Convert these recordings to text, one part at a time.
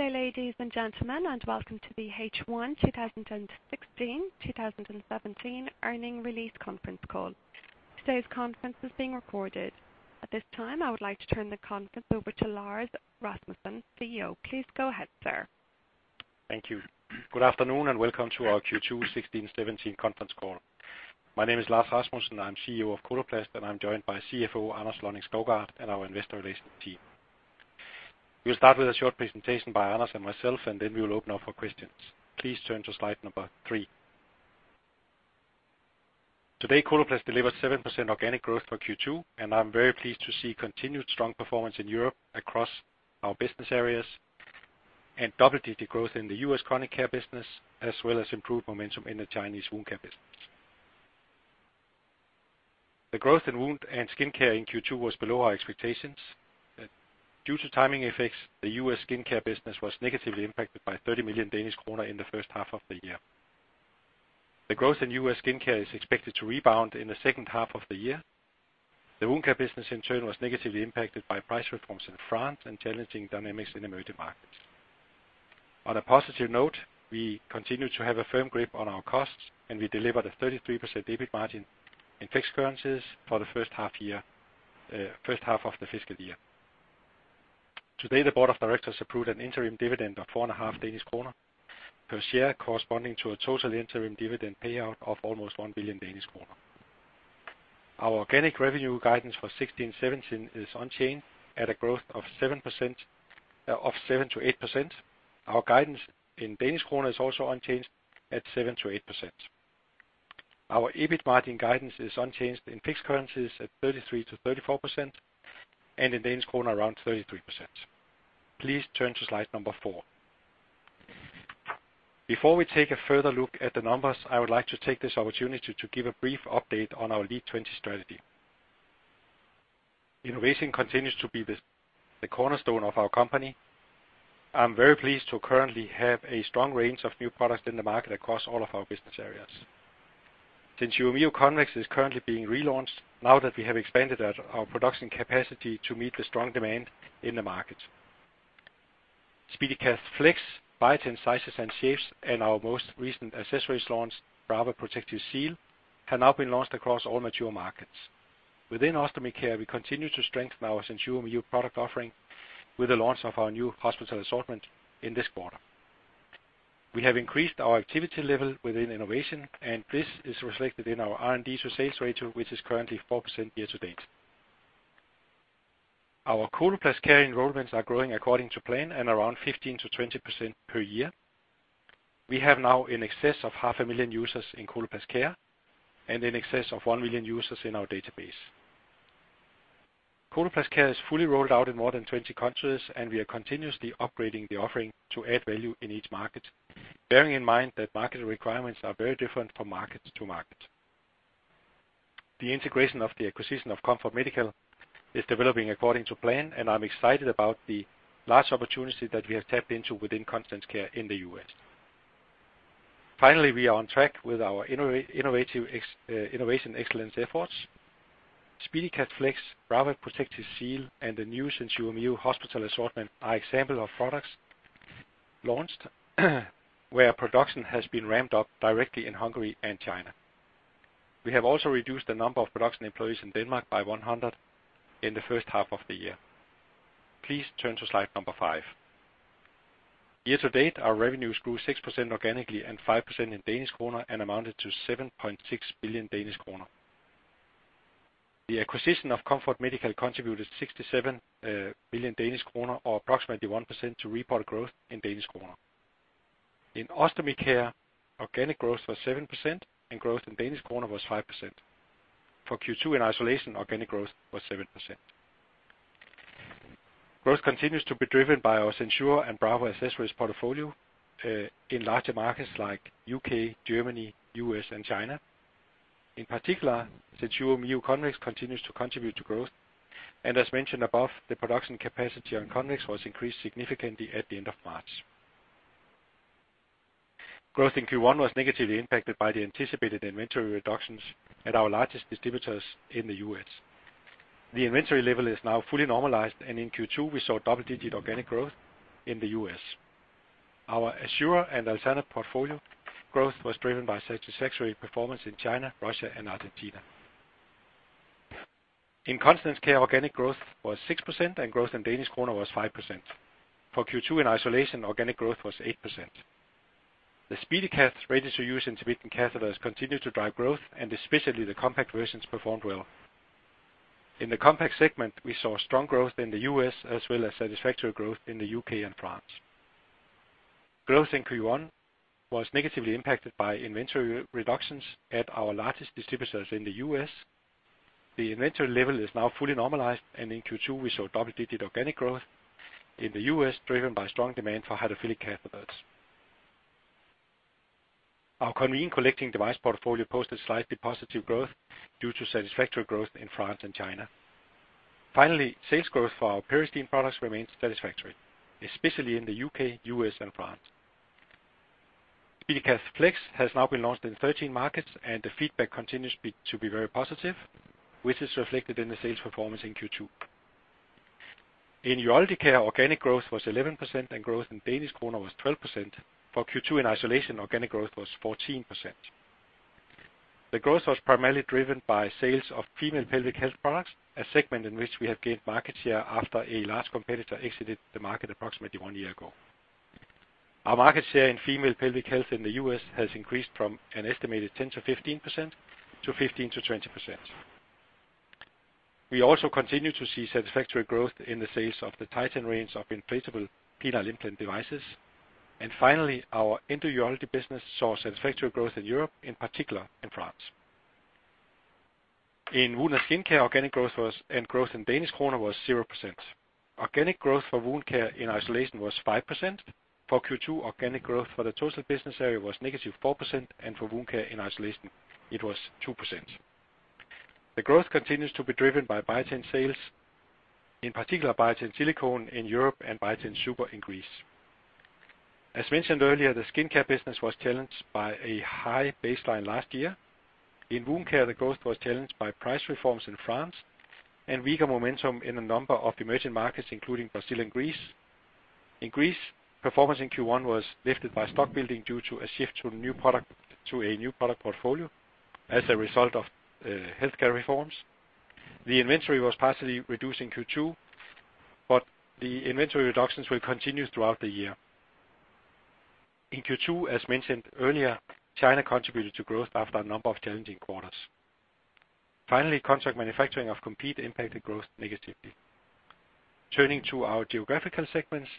Good day, ladies and gentlemen, and welcome to the H1 2016/2017 Earnings Release Conference Call. Today's conference is being recorded. At this time, I would like to turn the conference over to Lars Rasmussen, CEO. Please go ahead, sir. Thank you. Good afternoon, welcome to our Q2 2016-2017 conference call. My name is Lars Rasmussen, I'm CEO of Coloplast, and I'm joined by CFO Anders Lønning-Skovgaard, and our investor relations team. We'll start with a short presentation by Anders and myself, we will open up for questions. Please turn to slide number three. Today, Coloplast delivered 7% organic growth for Q2, I'm very pleased to see continued strong performance in Europe across our business areas, and double-digit growth in the U.S. chronic care business, as well as improved momentum in the Chinese wound care business. The growth in Wound & Skin Care in Q2 was below our expectations. Due to timing effects, the U.S. skincare business was negatively impacted by 30 million Danish kroner in the first half of the year. The growth in U.S. Wound & Skin Care is expected to rebound in the second half of the year. The Wound Care business, in turn, was negatively impacted by price reforms in France and challenging dynamics in emerging markets. On a positive note, we continue to have a firm grip on our costs, and we delivered a 33% EBIT margin in fixed currencies for the first half-year, first half of the fiscal year. Today, the board of directors approved an interim dividend of 4.5 Danish kroner per share, corresponding to a total interim dividend payout of almost 1 billion Danish kroner. Our organic revenue guidance for 2016-2017 is unchanged at a growth of 7%, of 7% to 8%. Our guidance in DKK is also unchanged at 7% to 8%. Our EBIT margin guidance is unchanged in fixed currencies at 33%-34%, and in Danish kroner, around 33%. Please turn to slide number four. Before we take a further look at the numbers, I would like to take this opportunity to give a brief update on our LEAD 20 strategy. Innovation continues to be the cornerstone of our company. I'm very pleased to currently have a strong range of new products in the market across all of our business areas. Since SenSura Mio Convex is currently being relaunched, now that we have expanded our production capacity to meet the strong demand in the market. SpeediCath Flex by 10 sizes and shapes, and our most recent accessories launch, Brava Protective Seal, have now been launched across all mature markets. Within Ostomy Care, we continue to strengthen our SenSura Mio product offering with the launch of our new hospital assortment in this quarter. We have increased our activity level within innovation, and this is reflected in our R&D to sales ratio, which is currently 4% year to date. Our Coloplast Care enrollments are growing according to plan, and around 15% to 20% per year. We have now in excess of half a million users in Coloplast Care, and in excess of 1 million users in our database. Coloplast Care is fully rolled out in more than 20 countries, and we are continuously upgrading the offering to add value in each market, bearing in mind that market requirements are very different from market to market. The integration of the acquisition of Comfort Medical is developing according to plan, I'm excited about the large opportunity that we have tapped into within Continence Care in the U.S. Finally, we are on track with our innovative excellence efforts. SpeediCath Flex, Brava Protective Seal, and the new SenSura Mio hospital assortment are examples of products launched, where production has been ramped up directly in Hungary and China. We have also reduced the number of production employees in Denmark by 100 in the first half of the year. Please turn to slide number five. Year to date, our revenues grew 6% organically and 5% in Danish kroner, and amounted to 7.6 billion Danish kroner. The acquisition of Comfort Medical contributed 67 billion Danish kroner, or approximately 1% to reported growth in Danish kroner. In Ostomy Care, organic growth was 7%. Growth in DKK was 5%. For Q2, in isolation, organic growth was 7%. Growth continues to be driven by our SenSura and Brava accessories portfolio, in larger markets like U.K., Germany, U.S., and China. In particular, SenSura Mio Convex continues to contribute to growth. As mentioned above, the production capacity on Convex was increased significantly at the end of March. Growth in Q1 was negatively impacted by the anticipated inventory reductions at our largest distributors in the U.S. The inventory level is now fully normalized. In Q2 we saw double-digit organic growth in the U.S. Our Assura and Alterna portfolio growth was driven by satisfactory performance in China, Russia, and Argentina. In Continence Care, organic growth was 6%. Growth in DKK was 5%. For Q2 in isolation, organic growth was 8%. The SpeediCath ready-to-use intermittent catheters continued to drive growth, especially the compact versions performed well. In the compact segment, we saw strong growth in the U.S., as well as satisfactory growth in the U.K. and France. Growth in Q1 was negatively impacted by inventory reductions at our largest distributors in the U.S. The inventory level is now fully normalized, in Q2, we saw double-digit organic growth in the U.S., driven by strong demand for hydrophilic catheters. Our Conveen collecting device portfolio posted slightly positive growth due to satisfactory growth in France and China. Finally, sales growth for our Peristeen products remains satisfactory, especially in the U.K., U.S., and France. SpeediCath Flex has now been launched in 13 markets, the feedback continues to be very positive, which is reflected in the sales performance in Q2. In Urology Care, organic growth was 11%, and growth in DKK was 12%. For Q2, in isolation, organic growth was 14%. The growth was primarily driven by sales of female pelvic health products, a segment in which we have gained market share after a large competitor exited the market approximately one year ago. Our market share in female pelvic health in the U.S. has increased from an estimated 10% to 15%, to 15% to 20%. We also continue to see satisfactory growth in the sales of the Titan range of inflatable penile implant devices. Finally, our end urology business saw satisfactory growth in Europe, in particular, in France. In Wound & Skin Care, organic growth and growth in Danish kroner was 0%. Organic growth for wound care in isolation was 5%. For Q2, organic growth for the total business area was -4%, and for wound care in isolation, it was 2%. The growth continues to be driven by Biatain sales, in particular Biatain Silicone in Europe and Biatain Super in Greece. As mentioned earlier, the skincare business was challenged by a high baseline last year. In wound care, the growth was challenged by price reforms in France and weaker momentum in a number of emerging markets, including Brazil and Greece. In Greece, performance in Q1 was lifted by stock building due to a shift to a new product portfolio as a result of healthcare reforms. The inventory was partially reduced in Q2, but the inventory reductions will continue throughout the year. In Q2, as mentioned earlier, China contributed to growth after a number of challenging quarters. Finally, contract manufacturing of Kerecis impacted growth negatively. Turning to our geographical segments,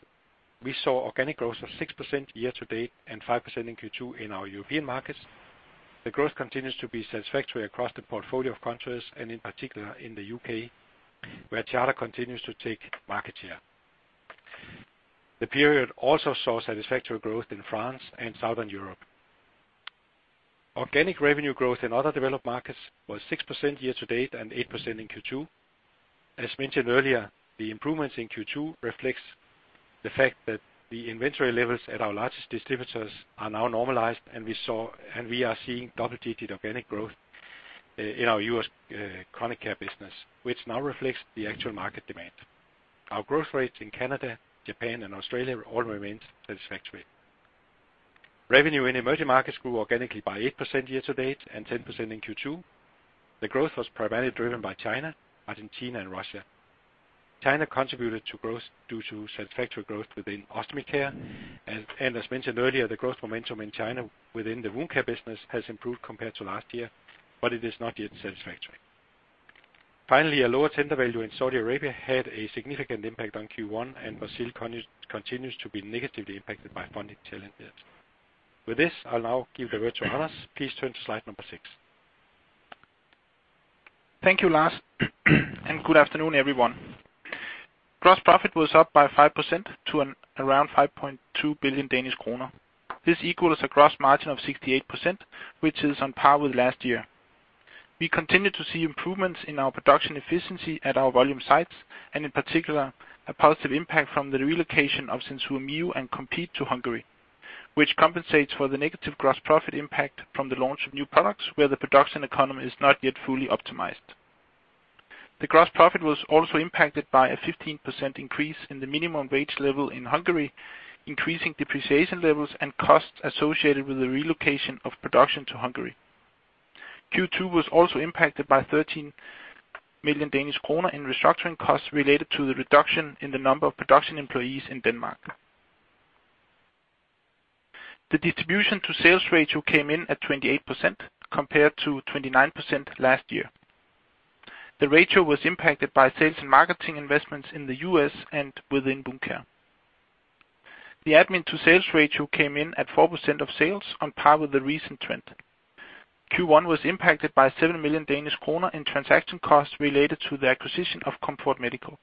we saw organic growth of 6% year to date and 5% in Q2 in our European markets. The growth continues to be satisfactory across the portfolio of countries and in particular in the U.K., where Charter continues to take market share. The period also saw satisfactory growth in France and Southern Europe. Organic revenue growth in other developed markets was 6% year to date and 8% in Q2. As mentioned earlier, the improvements in Q2 reflects the fact that the inventory levels at our largest distributors are now normalized, we are seeing double-digit organic growth in our U.S. chronic care business, which now reflects the actual market demand. Our growth rates in Canada, Japan, and Australia all remained satisfactory. Revenue in emerging markets grew organically by 8% year to date and 10% in Q2. The growth was primarily driven by China, Argentina, and Russia. China contributed to growth due to satisfactory growth within Ostomy Care. As mentioned earlier, the growth momentum in China within the wound care business has improved compared to last year, but it is not yet satisfactory. Finally, a lower tender value in Saudi Arabia had a significant impact on Q1. Brazil continues to be negatively impacted by funding challenges. With this, I'll now give the virtual to others. Please turn to slide number six. Thank you, Lars, and good afternoon, everyone. Gross profit was up by 5% to around 5.2 billion Danish kroner. This equals a gross margin of 68%, which is on par with last year. We continue to see improvements in our production efficiency at our volume sites, and in particular, a positive impact from the relocation of SenSura Mio and Conveen to Hungary, which compensates for the negative gross profit impact from the launch of new products, where the production economy is not yet fully optimized. The gross profit was also impacted by a 15% increase in the minimum wage level in Hungary, increasing depreciation levels and costs associated with the relocation of production to Hungary. Q2 was also impacted by 13 million Danish kroner in restructuring costs related to the reduction in the number of production employees in Denmark. The distribution to sales ratio came in at 28%, compared to 29% last year. The ratio was impacted by sales and marketing investments in the U.S. and within wound care. The admin to sales ratio came in at 4% of sales, on par with the recent trend. Q1 was impacted by 7 million Danish kroner in transaction costs related to the acquisition of Comfort Medical.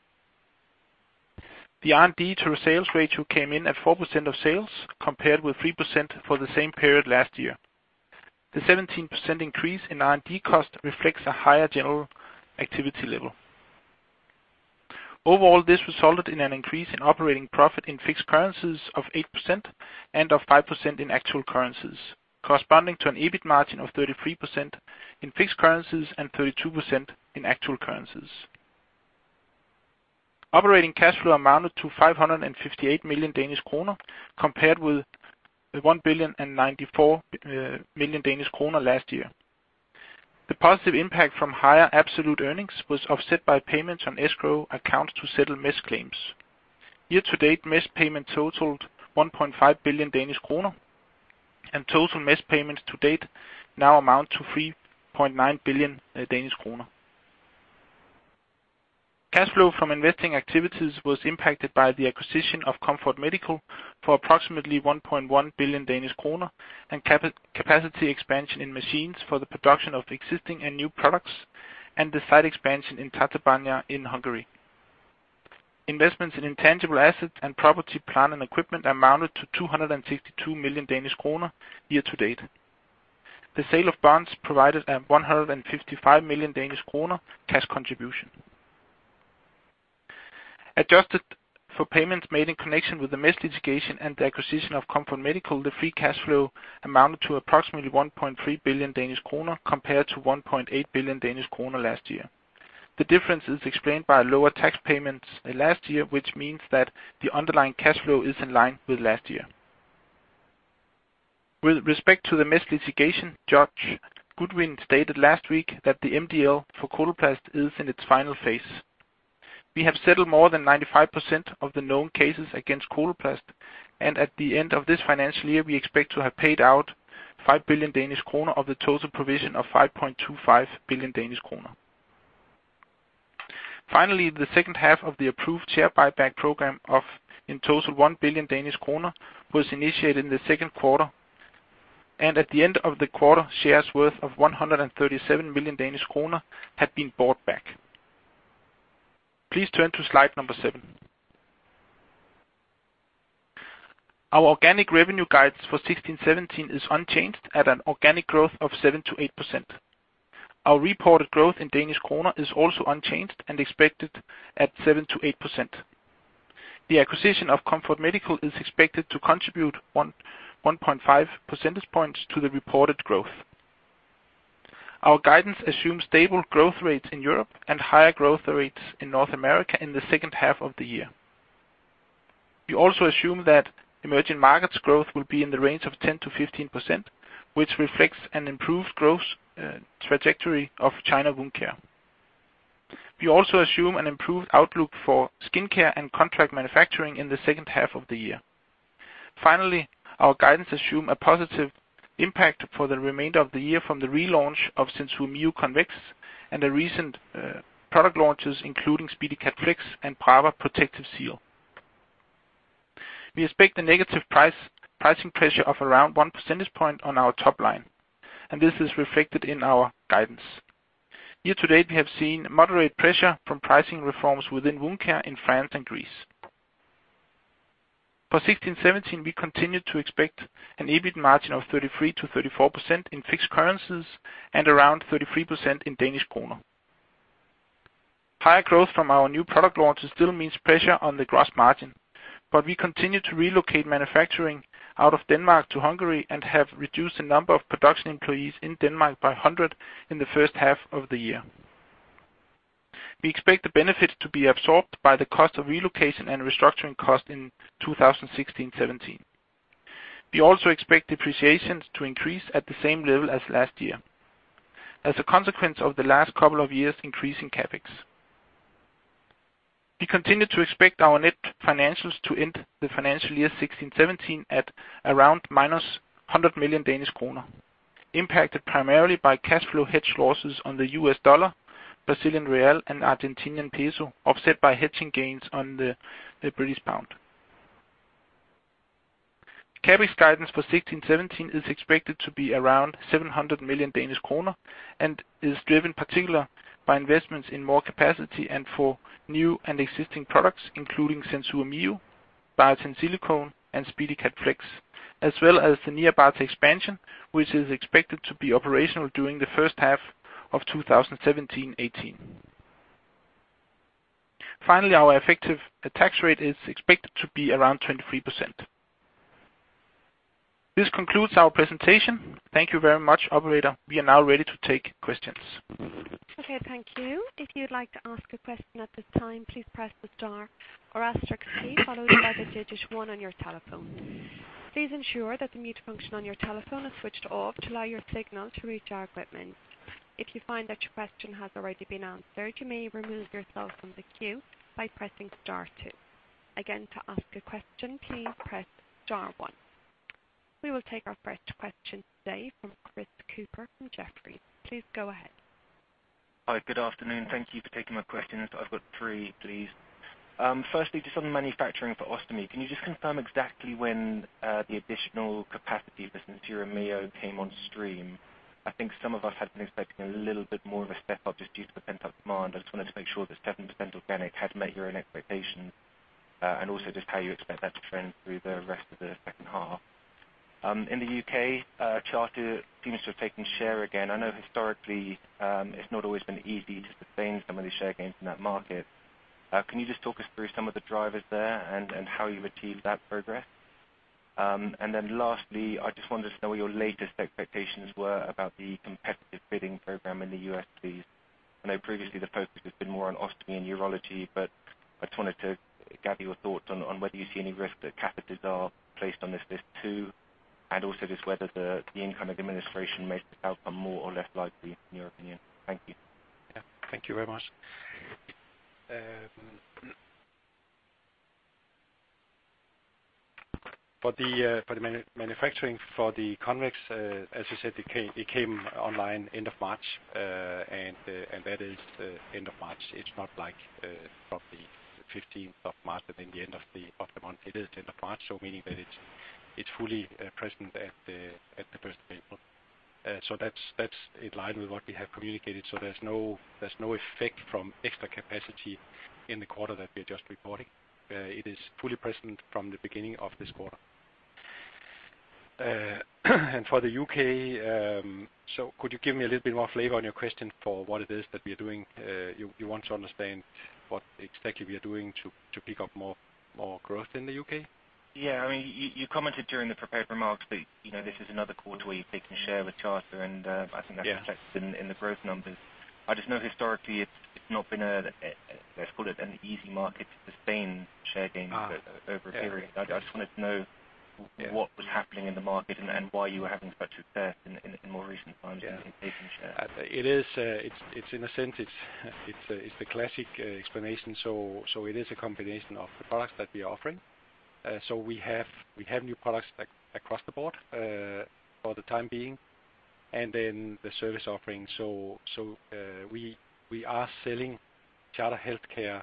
The R&D to sales ratio came in at 4% of sales, compared with 3% for the same period last year. The 17% increase in R&D cost reflects a higher general activity level. Overall, this resulted in an increase in operating profit in fixed currencies of 8% and of 5% in actual currencies, corresponding to an EBIT margin of 33% in fixed currencies and 32% in actual currencies. Operating cash flow amounted to 558 million Danish kroner, compared with 1.094 billion last year. The positive impact from higher absolute earnings was offset by payments on escrow accounts to settle mesh claims. Year to date, mesh payment totaled 1.5 billion Danish kroner, and total mesh payments to date now amount to 3.9 billion Danish kroner. Cash flow from investing activities was impacted by the acquisition of Comfort Medical for approximately 1.1 billion Danish kroner and capacity expansion in machines for the production of existing and new products, and the site expansion in Nyírbátor in Hungary. Investments in intangible assets and property, plant, and equipment amounted to 262 million Danish kroner year to date. The sale of bonds provided a 155 million Danish kroner cash contribution. Adjusted for payments made in connection with the mesh litigation and the acquisition of Comfort Medical, the free cash flow amounted to approximately 1.3 billion Danish kroner, compared to 1.8 billion Danish kroner last year. The difference is explained by lower tax payments than last year, which means that the underlying cash flow is in line with last year. With respect to the mesh litigation, Judge Goodwin stated last week that the MDL for Coloplast is in its final phase. We have settled more than 95% of the known cases against Coloplast, and at the end of this financial year, we expect to have paid out 5 billion Danish kroner of the total provision of 5.25 billion Danish kroner. The second half of the approved share buyback program of, in total, 1 billion Danish kroner was initiated in the second quarter, and at the end of the quarter, shares worth of 137 million Danish kroner had been bought back. Please turn to slide number seven. Our organic revenue guides for 2016-2017 is unchanged at an organic growth of 7%-8%. Our reported growth in Danish kroner is also unchanged and expected at 7%-8%. The acquisition of Comfort Medical is expected to contribute 1.5 percentage points to the reported growth. Our guidance assumes stable growth rates in Europe and higher growth rates in North America in the second half of the year. We also assume that emerging markets growth will be in the range of 10%-15%, which reflects an improved growth trajectory of China Wound Care. We also assume an improved outlook for Skin Care and contract manufacturing in the 2nd half of the year. Our guidance assume a positive impact for the remainder of the year from the relaunch of SenSura Mio Convex and the recent product launches, including SpeediCath Flex and Brava Protective Seal. We expect a negative price, pricing pressure of around 1 percentage point on our top line, this is reflected in our guidance. Year to date, we have seen moderate pressure from pricing reforms within Wound Care in France and Greece. For 2016-2017, we continue to expect an EBIT margin of 33%-34% in fixed currencies and around 33% in Danish kroner. Higher growth from our new product launches still means pressure on the gross margin, but we continue to relocate manufacturing out of Denmark to Hungary and have reduced the number of production employees in Denmark by 100 in the first half of the year. We expect the benefits to be absorbed by the cost of relocation and restructuring costs in 2016-2017. We also expect depreciations to increase at the same level as last year as a consequence of the last couple of years' increasing CapEx. We continue to expect our net financials to end the financial year 2016-2017 at around minus 100 million Danish kroner, impacted primarily by cash flow hedge losses on the U.S. dollar, Brazilian real, and Argentinian peso, offset by hedging gains on the British pound. CapEx guidance for 2016-2017 is expected to be around 700 million Danish kroner and is driven in particular by investments in more capacity and for new and existing products, including SenSura Mio, Biatain Silicone, and SpeediCath Flex, as well as the Nyírbátor expansion, which is expected to be operational during the first half of 2017-2018. Finally, our effective tax rate is expected to be around 23%. This concludes our presentation. Thank you very much, operator. We are now ready to take questions. Okay, thank you. If you'd like to ask a question at this time, please press the star or asterisk key, followed by the digit one on your telephone. Please ensure that the mute function on your telephone is switched off to allow your signal to reach our equipment. If you find that your question has already been answered, you may remove yourself from the queue by pressing star two. Again, to ask a question, please press star one. We will take our first question today from Chris Cooper from Jefferies. Please go ahead. Hi, good afternoon. Thank you for taking my questions. I've got three, please. Firstly, just on manufacturing for ostomy, can you just confirm exactly when the additional capacity for SenSura Mio came on stream? I think some of us had been expecting a little bit more of a step up just due to the pent-up demand. I just wanted to make sure the 7% organic had met your own expectations, and also just how you expect that to trend through the rest of the second half. In the U.K., Charter seems to have taken share again. I know historically, it's not always been easy to sustain some of the share gains in that market. Can you just talk us through some of the drivers there and how you achieved that progress? Lastly, I just wanted to know what your latest expectations were about the competitive bidding program in the U.S., please. I know previously the focus has been more on ostomy and urology, I just wanted to gather your thoughts on whether you see any risk that catheters are placed on this list, too, and also just whether the incoming administration makes the outcome more or less likely, in your opinion. Thank you. Yeah. Thank you very much. For the manufacturing for the Convex, as you said, it came online end of March, that is end of March. It's not like from the 15th of March, in the end of the month. It is the end of March, meaning that it's fully present at the 1st of April. That's in line with what we have communicated, there's no effect from extra capacity in the quarter that we are just reporting. It is fully present from the beginning of this quarter. For the U.K., could you give me a little bit more flavor on your question for what it is that we are doing? You want to understand what exactly we are doing to pick up more growth in the U.K.? Yeah. I mean, you commented during the prepared remarks that, you know, this is another quarter where you've taken share with Charter, and I think that's reflected in the growth numbers. I just know historically, it's not been a, let's call it an easy market to sustain share gains over a period. Yeah. I just wanted to know what was happening in the market and why you were having such success in more recent times in taking share. It is in a sense, the classic explanation. It is a combination of the products that we are offering. We have new products across the board for the time being, and then the service offering. We are selling Charter Healthcare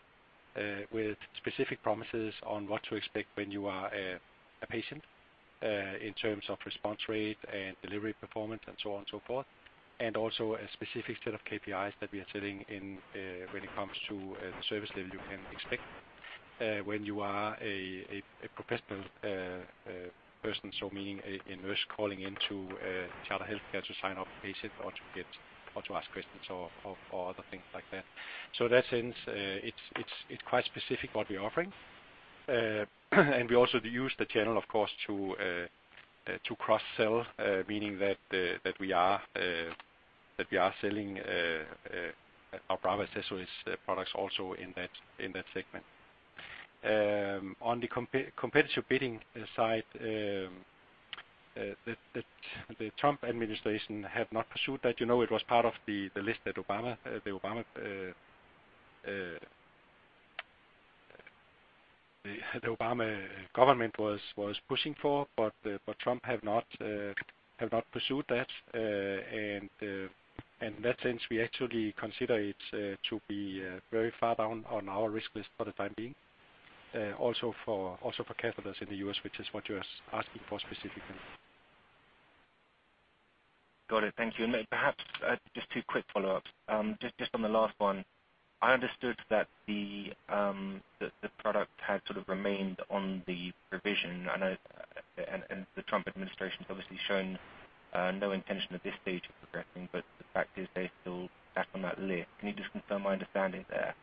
with specific promises on what to expect when you are a patient in terms of response rate and delivery performance, and so on and so forth. Also a specific set of KPIs that we are selling in when it comes to the service level you can expect when you are a professional person, so meaning a nurse calling into Charter Healthcare to sign up a patient or to get or to ask questions or other things like that. In that sense, it's quite specific what we're offering. We also use the channel, of course, to cross-sell, meaning that we are selling our Brava accessories products also in that segment. On the competitive bidding side, the Trump administration have not pursued that. You know, it was part of the list that Obama government was pushing for, but Trump have not pursued that. In that sense, we actually consider it to be very far down on our risk list for the time being, also for catheters in the U.S., which is what you're asking for specifically. Got it. Thank you. Perhaps, just two quick follow-ups. Just on the last one, I understood that the product had sort of remained on the revision. I know, the Trump administration's obviously shown no intention at this stage of progressing, but the fact is they're still back on that list. Can you just confirm my understanding there?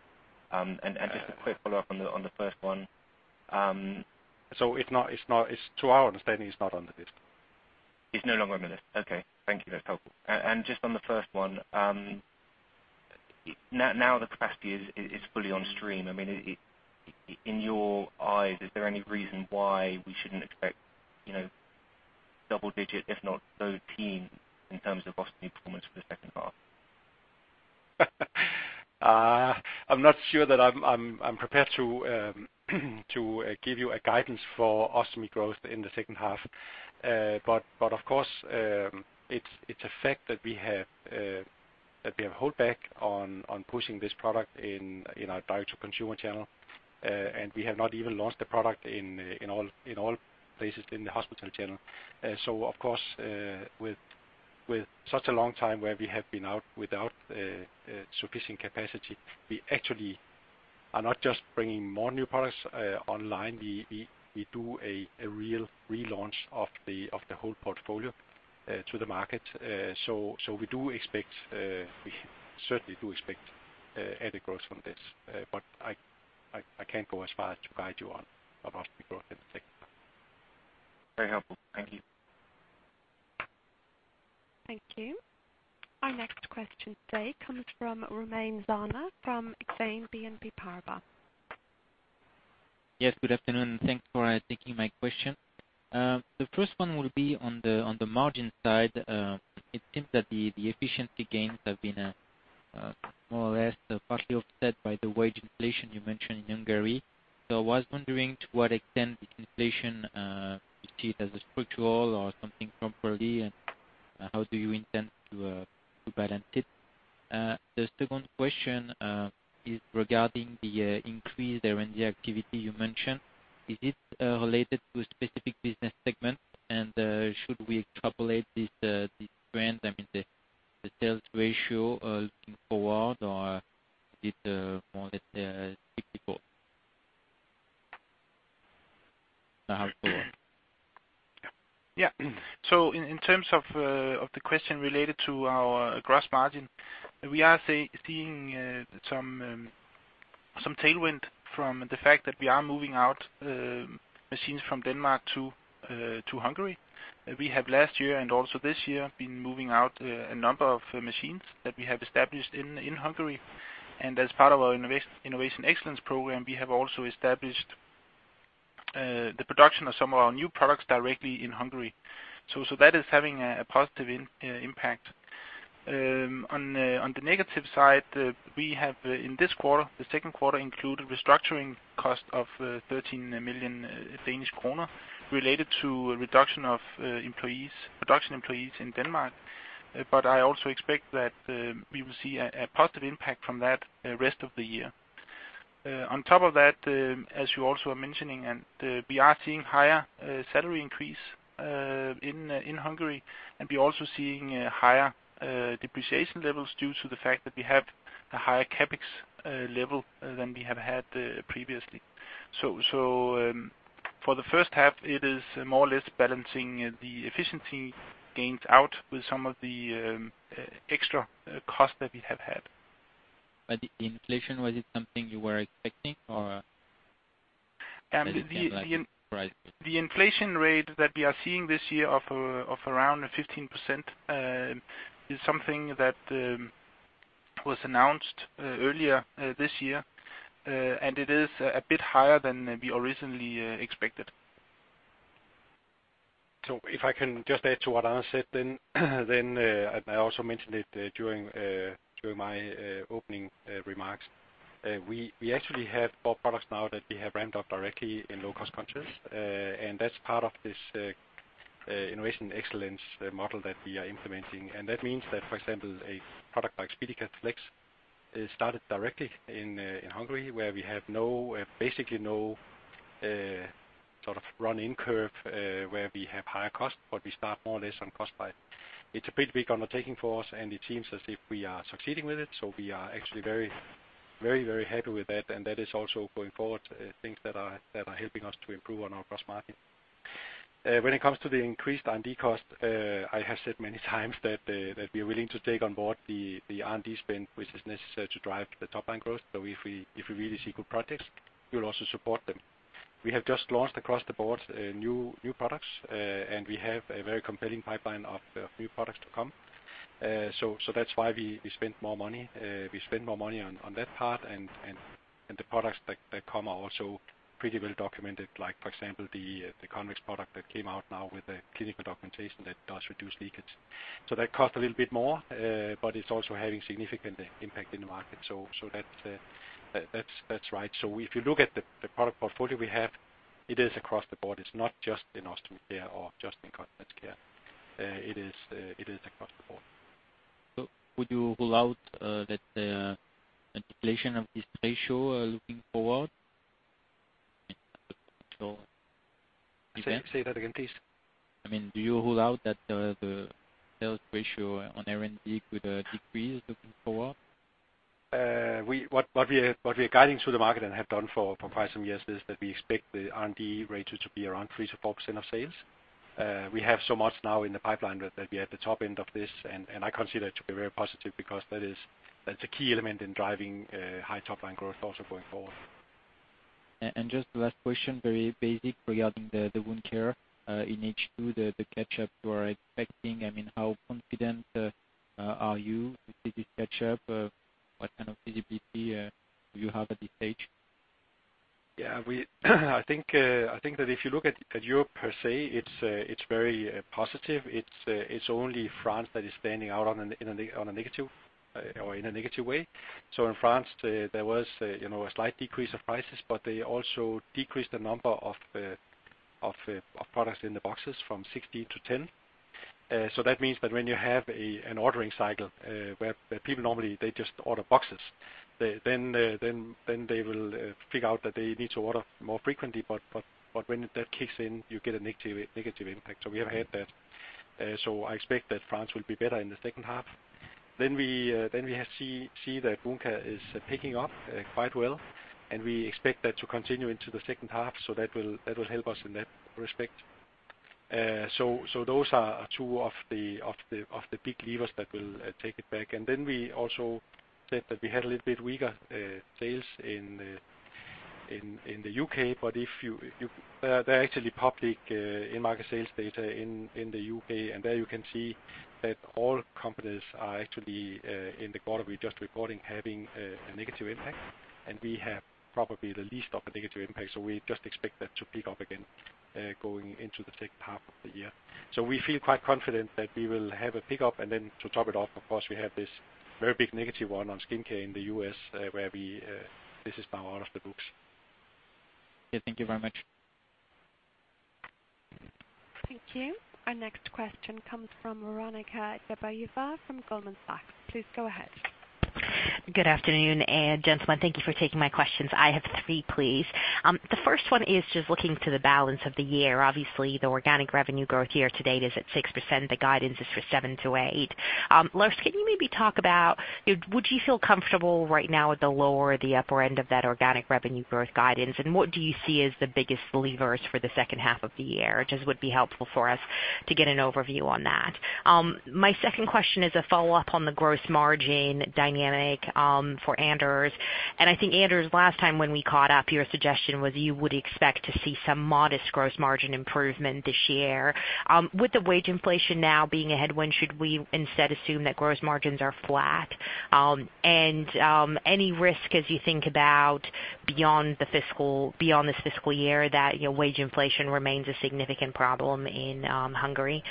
Just a quick follow-up on the first one. It's not, it's, to our understanding, it's not on the list. It's no longer on the list. Okay. Thank you. That's helpful. And just on the first one, now the capacity is fully on stream. I mean, it, in your eyes, is there any reason why we shouldn't expect, you know, double digit, if not low teen, in terms of ostomy performance for the second half? I'm not sure that I'm prepared to give you a guidance for ostomy growth in the second half. Of course, it's a fact that we have held back on pushing this product in our direct-to-consumer channel. We have not even launched the product in all places in the hospital channel. Of course, with such a long time where we have been out without sufficient capacity, we actually are not just bringing more new products online, we do a real relaunch of the whole portfolio to the market. We do expect, we certainly do expect added growth from this. I can't go as far as to guide you on ostomy growth in the second half. Very helpful. Thank you. Thank you. Our next question today comes from Romain Zana, from Exane BNP Paribas. Good afternoon, and thanks for taking my question. The first one will be on the margin side. It seems that the efficiency gains have been more or less partially offset by the wage inflation you mentioned in Hungary. I was wondering, to what extent the inflation you see it as a structural or something temporarily, and how do you intend to balance it? The second question is regarding the increased R&D activity you mentioned. Is it related to a specific business segment? Should we extrapolate this trend, I mean, the sales ratio looking forward, or is it more like 64? Forward. In terms of the question related to our gross margin, we are seeing some tailwind from the fact that we are moving out machines from Denmark to Hungary. We have last year and also this year, been moving out a number of machines that we have established in Hungary. As part of our Innovation Excellence program, we have also established the production of some of our new products directly in Hungary. That is having a positive impact. On the negative side, we have in this quarter, the second quarter, included restructuring cost of 13 million Danish kroner related to a reduction of employees, production employees in Denmark. I also expect that we will see a positive impact from that rest of the year. On top of that, as you also are mentioning, we are seeing higher salary increase in Hungary, and we are also seeing higher depreciation levels due to the fact that we have a higher CapEx level than we have had previously. For the first half, it is more or less balancing the efficiency gains out with some of the extra cost that we have had. The inflation, was it something you were expecting or? Right. The inflation rate that we are seeing this year of around 15%, is something that was announced earlier this year. It is a bit higher than we originally expected. If I can just add to what Anders said, then, I also mentioned it during my opening remarks. We actually have bought products now that we have ramped up directly in low-cost countries. That's part of this Innovation Excellence model that we are implementing. That means that, for example, a product like SpeediCath Flex is started directly in Hungary, where we have no, basically no sort of run-in curve, where we have higher costs, but we start more or less on cost by. It's a pretty big undertaking for us, and it seems as if we are succeeding with it. We are actually very, very, very happy with that, and that is also going forward, things that are helping us to improve on our gross margin. When it comes to the increased R&D cost, I have said many times that we are willing to take on board the R&D spend, which is necessary to drive the top line growth. If we really see good projects, we'll also support them. We have just launched across the board new products, and we have a very compelling pipeline of new products to come. That's why we spent more money, we spend more money on that part, and the products that come are also pretty well documented. Like, for example, the Convex product that came out now with a clinical documentation that does reduce leakage. That cost a little bit more, but it's also having significant impact in the market. That's right. If you look at the product portfolio we have, it is across the board. It's not just in Ostomy Care or just in Continence Care. It is across the board. Would you rule out that the deflation of this ratio, looking forward? Say that again, please. I mean, do you rule out that the sales ratio on R&D would decrease looking forward? What we are guiding to the market and have done for quite some years, is that we expect the R&D ratio to be around 3%-4% of sales. We have so much now in the pipeline that we are at the top end of this, and I consider it to be very positive because that's a key element in driving high top line growth also going forward. Just the last question, very basic regarding the wound care in H2, the catch-up you are expecting, I mean, how confident are you to see this catch up? What kind of visibility do you have at this stage? Yeah, we, I think, I think that if you look at Europe per se, it's very positive. It's only France that is standing out on a negative or in a negative way. In France, you know, there was a slight decrease of prices, but they also decreased the number of products in the boxes from 60 to 10. That means that when you have an ordering cycle where people normally they just order boxes, then they will figure out that they need to order more frequently, but when that kicks in, you get a negative impact. We have had that. I expect that France will be better in the second half. We, then we have see that Wound Care is picking up quite well, and we expect that to continue into the second half. That will help us in that respect. Those are two of the big levers that will take it back. We also said that we had a little bit weaker sales in the U.K., but if you, they're actually public in market sales data in the U.K., there you can see that all companies are actually in the quarter we're just recording, having a negative impact. We have probably the least of a negative impact, so we just expect that to pick up again going into the second half of the year. We feel quite confident that we will have a pickup. To top it off, of course, we have this very big negative one on Skin Care in the U.S., where we, this is now out of the books. Okay, thank you very much. Thank you. Our next question comes from Veronika Dubajova from Goldman Sachs. Please go ahead. Good afternoon, gentlemen, thank you for taking my questions. I have three, please. The first one is just looking to the balance of the year. Obviously, the organic revenue growth year to date is at 6%. The guidance is for 7%-8%. Lars, can you maybe talk about, would you feel comfortable right now at the lower or the upper end of that organic revenue growth guidance? What do you see as the biggest levers for the second half of the year? Just would be helpful for us to get an overview on that. My second question is a follow-up on the gross margin dynamic, for Anders. I think, Anders, last time when we caught up, your suggestion was you would expect to see some modest gross margin improvement this year. With the wage inflation now being a headwind, should we instead assume that gross margins are flat? And any risk as you think about beyond the fiscal, beyond this fiscal year, that, you know, wage inflation remains a significant problem in Hungary?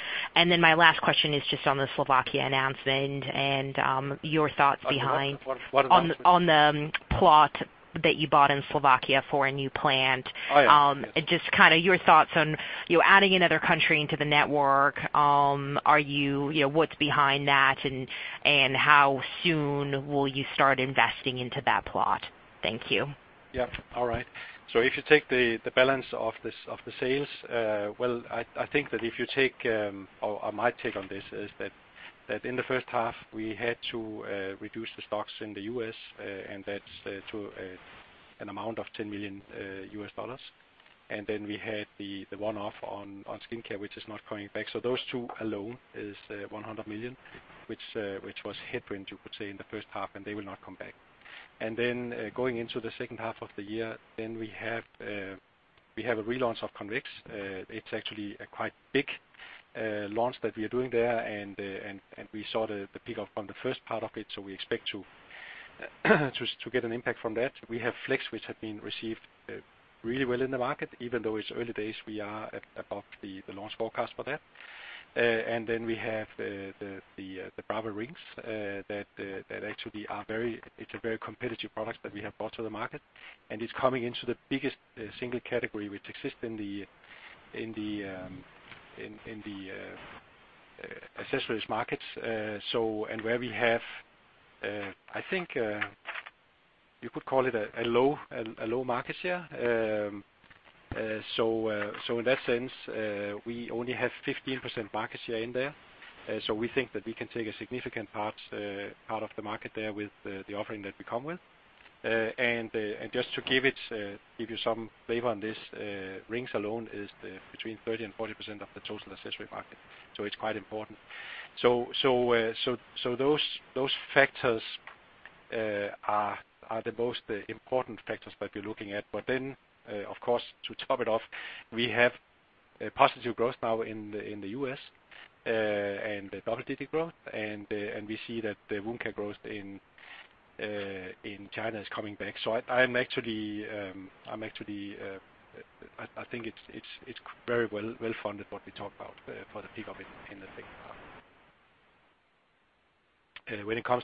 My last question is just on the Slovakia announcement and your thoughts behind- What announcement? On the plot that you bought in Slovakia for a new plant. Oh, yes. Just kind of your thoughts on, you adding another country into the network. Are you know, what's behind that, and how soon will you start investing into that plot? Thank you. All right. If you take the balance of the, of the sales, well, I think that if you take, or my take on this is that in the first half, we had to reduce the stocks in the U.S., and that's to an amount of $10 million. Then we had the one-off on skincare, which is not coming back. So those two alone is 100 million, which was headwind, you could say, in the first half, and they will not come back. Then going into the second half of the year, then we have a relaunch of Convex. It's actually a quite big launch that we are doing there. We saw the pickup from the first part of it, so we expect to get an impact from that. We have Flex, which have been received really well in the market, even though it's early days, we are above the launch forecast for that. We have the Brava rings that actually are a very competitive product that we have brought to the market, and it's coming into the biggest single category which exists in the accessories markets. Where we have, I think, you could call it a low market share. In that sense, we only have 15% market share in there. We think that we can take a significant part of the market there with the offering that we come with. Just to give you some flavor on this, rings alone is between 30%-40% of the total accessory market, so it's quite important. Those factors are the most important factors that we're looking at. Of course, to top it off, we have a positive growth now in the U.S., and a double-digit growth, and we see that the wound care growth in China is coming back. I'm actually, I think it's very well, well-funded, what we talk about for the pickup in the second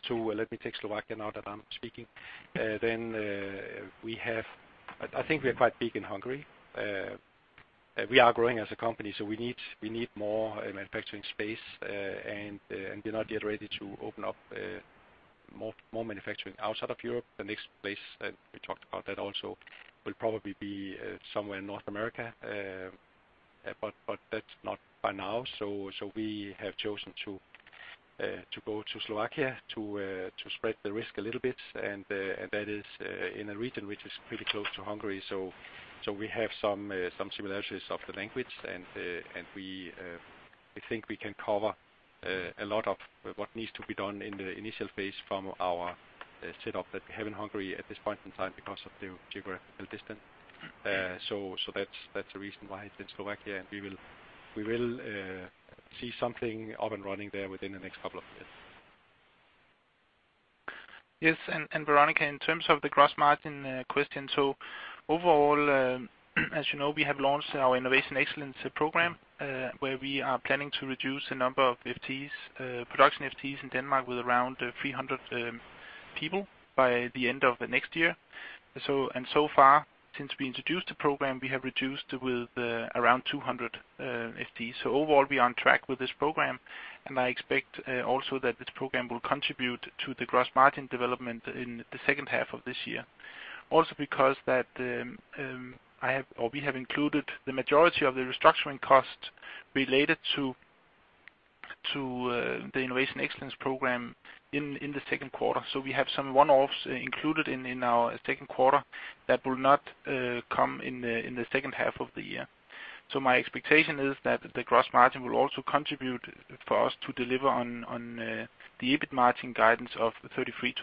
half. Let me take Slovakia now that I'm speaking. I think we are quite big in Hungary. We are growing as a company, so we need more manufacturing space and we're not yet ready to open up more manufacturing outside of Europe. The next place we talked about that also, will probably be somewhere in North America, but that's not by now. We have chosen to go to Slovakia to spread the risk a little bit, and that is in a region which is pretty close to Hungary, so we have some similarities of the language, and we think we can cover a lot of what needs to be done in the initial phase from our setup that we have in Hungary at this point in time because of the geographical distance. That's the reason why it's Slovakia, and we will see something up and running there within the next couple of years. Yes, Veronika, in terms of the gross margin question, overall, as you know, we have launched our Innovation Excellence program, where we are planning to reduce the number of FTEs, production FTEs in Denmark with around 300 people by the end of the next year. So far, since we introduced the program, we have reduced with around 200 FT. Overall, we are on track with this program, and I expect also that this program will contribute to the gross margin development in the second half of this year. Because that I have or we have included the majority of the restructuring costs related to the Innovation Excellence program in the second quarter. We have some one-offs included in our second quarter that will not come in the second half of the year. My expectation is that the gross margin will also contribute for us to deliver on the EBIT margin guidance of 33%-34%.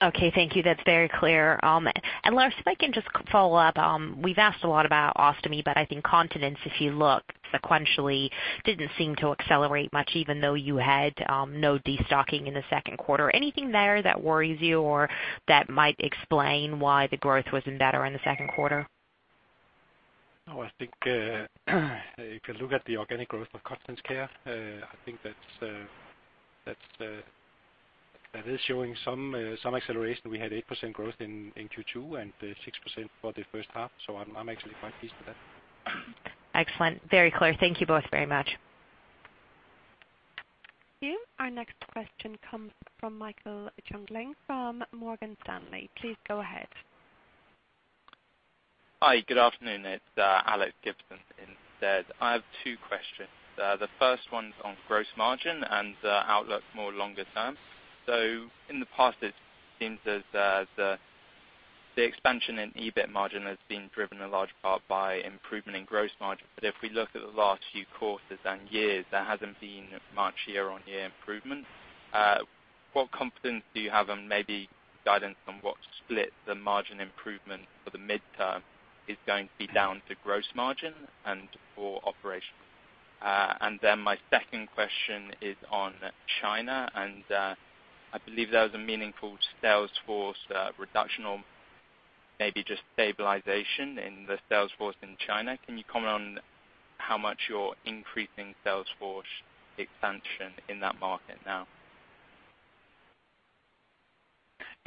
Okay, thank you. That's very clear. Lars, if I can just follow up, we've asked a lot about ostomy, but I think continence, if you look sequentially, didn't seem to accelerate much, even though you had no destocking in the second quarter. Anything there that worries you or that might explain why the growth wasn't better in the second quarter? I think, if you look at the organic growth of Continence Care, I think that's, that is showing some acceleration. We had 8% growth in Q2 and 6% for the first half, so I'm actually quite pleased with that. Excellent. Very clear. Thank you both very much. Our next question comes from Michael Jungling from Morgan Stanley. Please go ahead. Hi, good afternoon. It's Alex Gibson instead. I have two questions. The first one's on gross margin and outlook more longer term. In the past, it seems as the expansion in EBIT margin has been driven in large part by improvement in gross margin. If we look at the last few quarters and years, there hasn't been much year-on-year improvement. What confidence do you have, and maybe guidance on what split the margin improvement for the midterm is going to be down to gross margin and/or operational? My second question is on China, I believe there was a meaningful sales force reduction or maybe just stabilization in the sales force in China. Can you comment on how much you're increasing sales force expansion in that market now?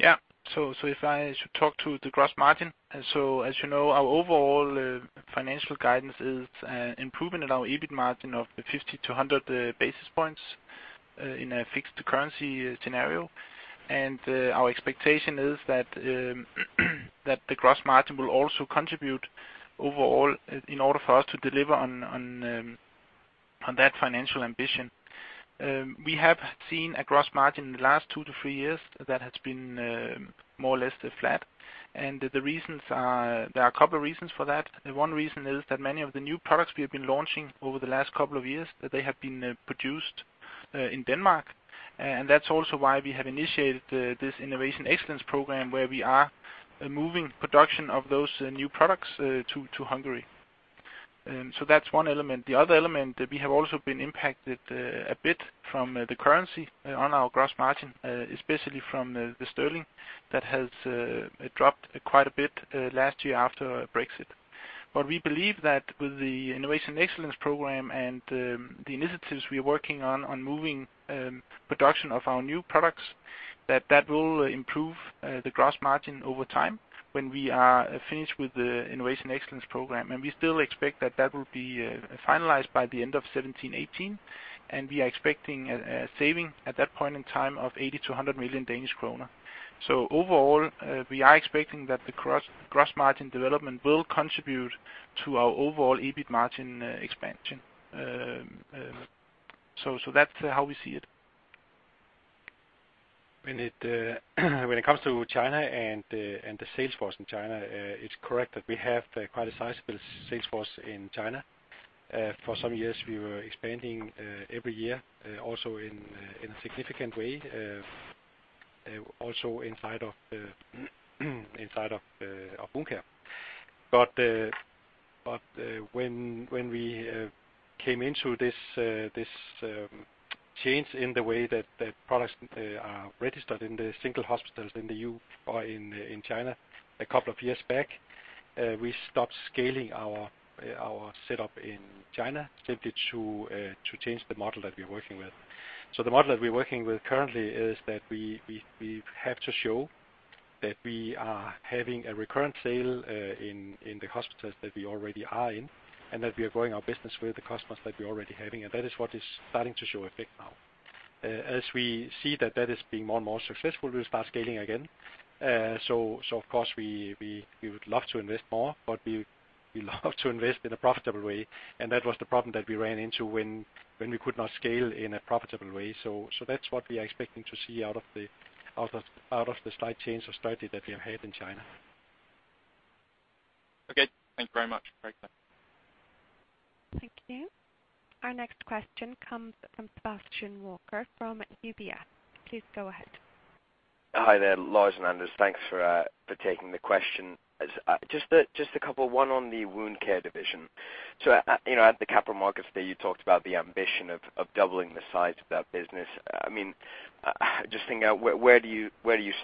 Yeah. If I should talk to the gross margin, as you know, our overall financial guidance is improvement in our EBIT margin of 50 to 100 basis points in a fixed currency scenario. Our expectation is that the gross margin will also contribute overall in order for us to deliver on that financial ambition. We have seen a gross margin in the last two to three years that has been more or less flat. The reasons are, there are a couple reasons for that. One reason is that many of the new products we have been launching over the last couple of years, that they have been produced in Denmark. That's also why we have initiated this Innovation Excellence program, where we are moving production of those new products to Hungary. That's one element. The other element, we have also been impacted a bit from the currency on our gross margin, especially from the sterling, that has dropped quite a bit last year after Brexit. We believe that with the Innovation Excellence program and the initiatives we are working on moving production of our new products, that that will improve the gross margin over time when we are finished with the Innovation Excellence program. We still expect that that will be finalized by the end of 2017, 2018, and we are expecting a saving at that point in time of 80 million Danish krone to 100 million Danish kroner. Overall, we are expecting that the gross margin development will contribute to our overall EBIT margin expansion. So that's how we see it. When it comes to China and the sales force in China, it's correct that we have quite a sizable sales force in China. For some years we were expanding every year, also in a significant way, also inside of Wound Care. When we came into this change in the way that products are registered in the single hospitals in China a couple of years back, we stopped scaling our setup in China, simply to change the model that we're working with. The model that we're working with currently is that we have to show that we are having a recurrent sale in the hospitals that we already are in, and that we are growing our business with the customers that we're already having. That is what is starting to show effect now. As we see that is being more and more successful, we'll start scaling again. Of course we would love to invest more, but we love to invest in a profitable way, and that was the problem that we ran into when we could not scale in a profitable way. That's what we are expecting to see out of the slight change of strategy that we have had in China. Okay. Thank you very much. Great, thanks. Thank you. Our next question comes from Ian Douglas-Pennant, from UBS. Please go ahead. Hi there, Lars and Anders. Thanks for taking the question. Just a couple, one on the Wound Care division. You know, at the capital markets day, you talked about the ambition of doubling the size of that business. I mean, just thinking out, where do you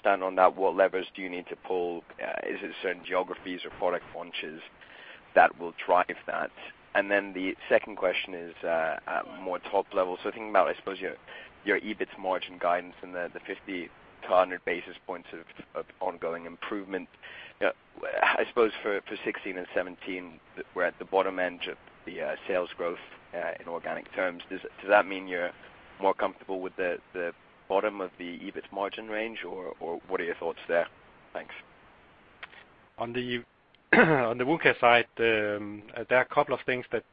stand on that? What levers do you need to pull? Is it certain geographies or product launches that will drive that? The second question is at more top level. Thinking about, I suppose, your EBIT margin guidance and the 50-100 basis points of ongoing improvement. I suppose for 2016 and 2017, we're at the bottom end of the sales growth in organic terms. Does that mean you're more comfortable with the bottom of the EBIT margin range, or what are your thoughts there? Thanks. On the Wound Care side, there are a couple of things that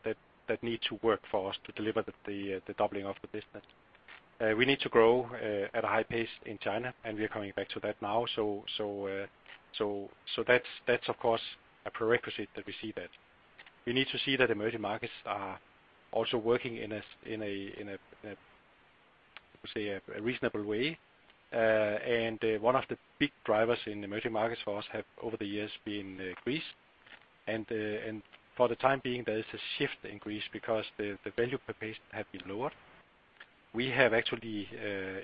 need to work for us to deliver the doubling of the business. We need to grow at a high pace in China, we are coming back to that now. That's of course, a prerequisite that we see that. We need to see that emerging markets are also working in a reasonable way. One of the big drivers in emerging markets for us have, over the years, been Greece. For the time being, there is a shift in Greece because the value per patient have been lower. We have actually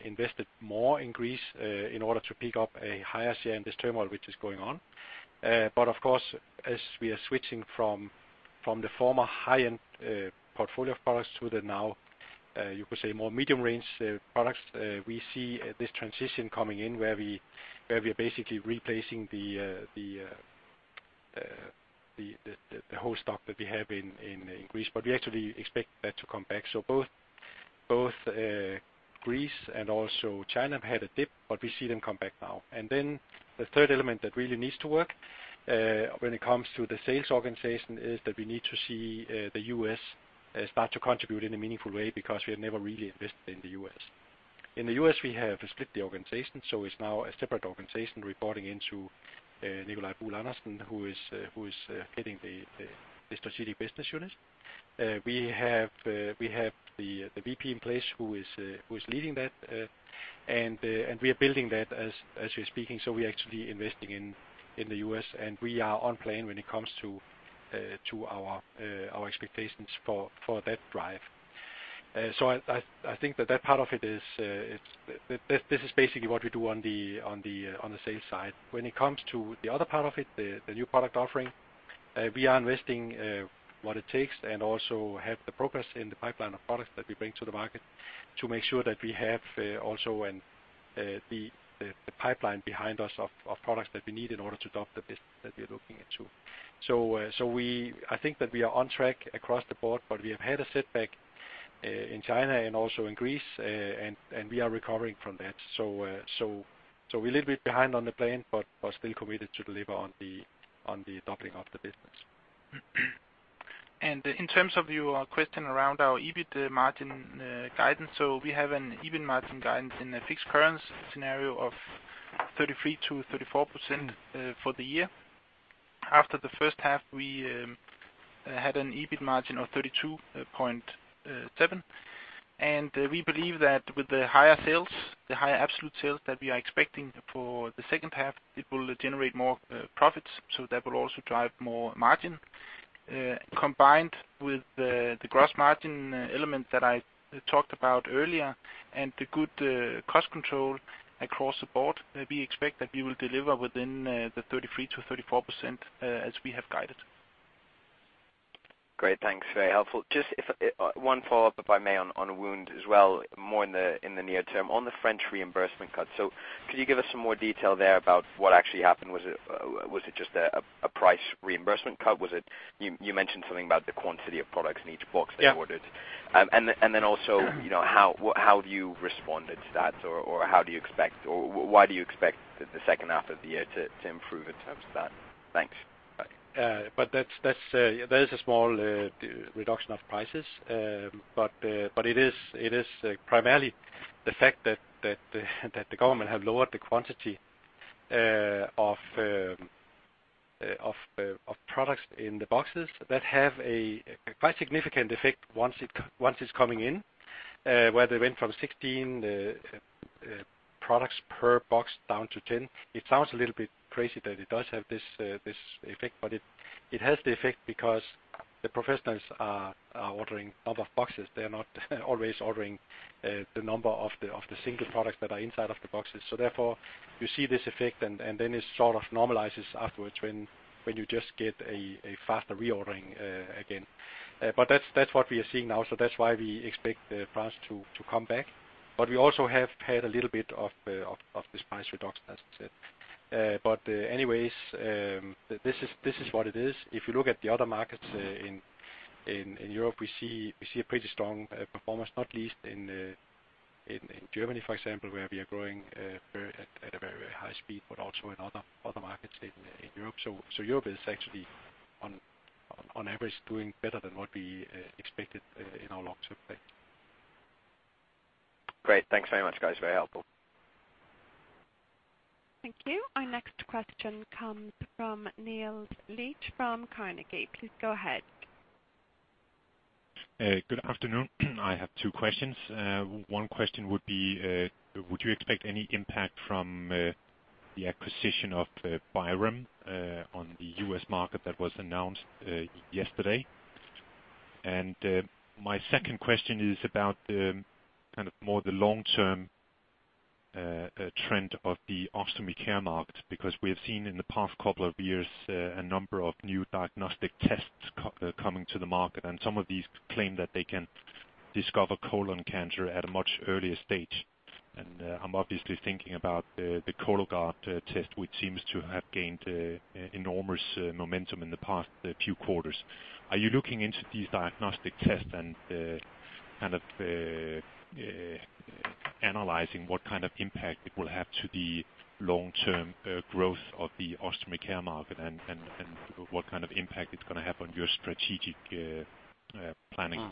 invested more in Greece in order to pick up a higher share in this turmoil which is going on. Of course, as we are switching from the former high-end portfolio of products to the now, you could say, more medium-range products, we see this transition coming in where we are basically replacing the whole stock that we have in Greece. We actually expect that to come back. Both Greece and also China have had a dip, but we see them come back now. The third element that really needs to work when it comes to the sales organization, is that we need to see the U.S. start to contribute in a meaningful way, because we have never really invested in the U.S. In the U.S., we have split the organization, so it's now a separate organization reporting into Nicolai Buhl Andersen, who is heading the strategic business unit. We have the VP in place who is leading that, and we are building that as we're speaking. We are actually investing in the U.S., and we are on plan when it comes to our expectations for that drive. I think that part of it is. This is basically what we do on the sales side. When it comes to the other part of it, the new product offering, we are investing what it takes and also have the progress in the pipeline of products that we bring to the market, to make sure that we have also an the pipeline behind us of products that we need in order to double the business that we are looking into. I think that we are on track across the board, but we have had a setback in China and also in Greece, and we are recovering from that. We're a little bit behind on the plan, but still committed to deliver on the, on the doubling of the business. In terms of your question around our EBIT margin guidance, we have an EBIT margin guidance in a fixed currency scenario of 33%-34% for the year. After the first half, we had an EBIT margin of 32.7. We believe that with the higher sales, the higher absolute sales that we are expecting for the second half, it will generate more profits, that will also drive more margin. Combined with the gross margin element that I talked about earlier, and the good cost control across the board, we expect that we will deliver within the 33%-34% as we have guided. Great, thanks. Very helpful. Just if one follow-up, if I may, on wound as well, more in the, in the near term. On the French reimbursement cut, could you give us some more detail there about what actually happened? Was it just a price reimbursement cut? Was it, you mentioned something about the quantity of products in each box they ordered? Yeah. Also, you know, how have you responded to that? Or how do you expect, or why do you expect the second half of the year to improve in terms of that? Thanks. That's there is a small reduction of prices. It is primarily the fact that the government have lowered the quantity of products in the boxes that have a quite significant effect once it's coming in. Where they went from 16 products per box down to 10. It sounds a little bit crazy, but it does have this effect. It has the effect because the professionals are ordering a lot of boxes. They are not always ordering the number of the single products that are inside of the boxes. Therefore, you see this effect, and then it sort of normalizes afterwards when you just get a faster reordering again. That's what we are seeing now, so that's why we expect the price to come back. We also have had a little bit of this price reduction, as I said. Anyways, this is what it is. If you look at the other markets in Europe, we see a pretty strong performance, not least in Germany, for example, where we are growing very at a very high speed, but also in other markets in Europe. Europe is actually on average doing better than what we expected in our long term plan. Great. Thanks very much, guys. Very helpful. Thank you. Our next question comes from Niels Granholm-Leth from Carnegie. Please go ahead. Good afternoon. I have 2 questions. 1 question would be, would you expect any impact from the acquisition of Byram on the U.S. market that was announced yesterday? My second question is about the kind of more the long-term trend of the Ostomy Care market, because we have seen in the past couple of years, a number of new diagnostic tests coming to the market, and some of these claim that they can discover colon cancer at a much earlier stage. I'm obviously thinking about the Cologuard test, which seems to have gained enormous momentum in the past few quarters. Are you looking into these diagnostic tests and, kind of, analyzing what kind of impact it will have to the long-term, growth of the Ostomy Care market and what kind of impact it's gonna have on your strategic planning?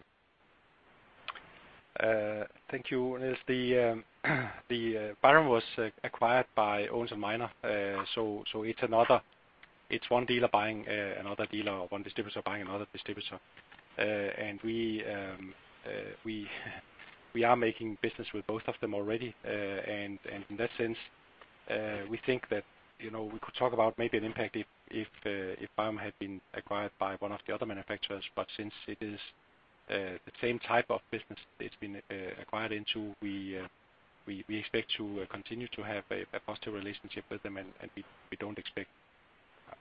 Thank you, Niels. The Byram was acquired by Owens & Minor. It's another, it's one dealer buying another dealer, one distributor buying another distributor. We are making business with both of them already. In that sense, we think that, you know, we could talk about maybe an impact if Byram had been acquired by one of the other manufacturers. Since it is the same type of business it's been acquired into, we expect to continue to have a positive relationship with them, and we don't expect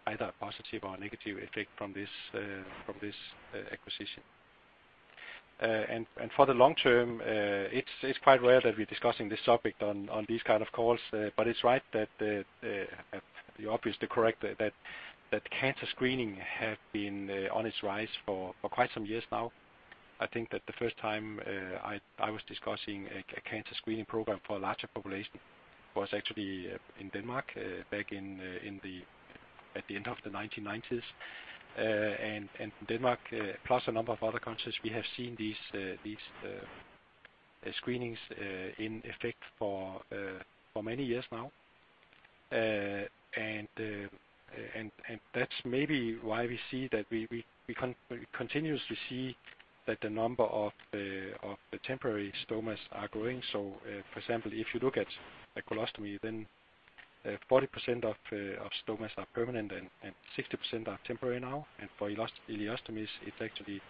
either a positive or a negative effect from this acquisition. For the long term, it's quite rare that we're discussing this subject on these kind of calls. It's right that you're obviously correct that cancer screening have been on its rise for quite some years now. I think that the first time I was discussing a cancer screening program for a larger population was actually in Denmark back in the at the end of the 1990s. Denmark, plus a number of other countries, we have seen these these screenings in effect for many years now. That's maybe why we see that we continuously see that the number of the temporary stomas are growing. For example, if you look at a colostomy, then 40% of stomas are permanent and 60% are temporary now. For ileostomies, it's actually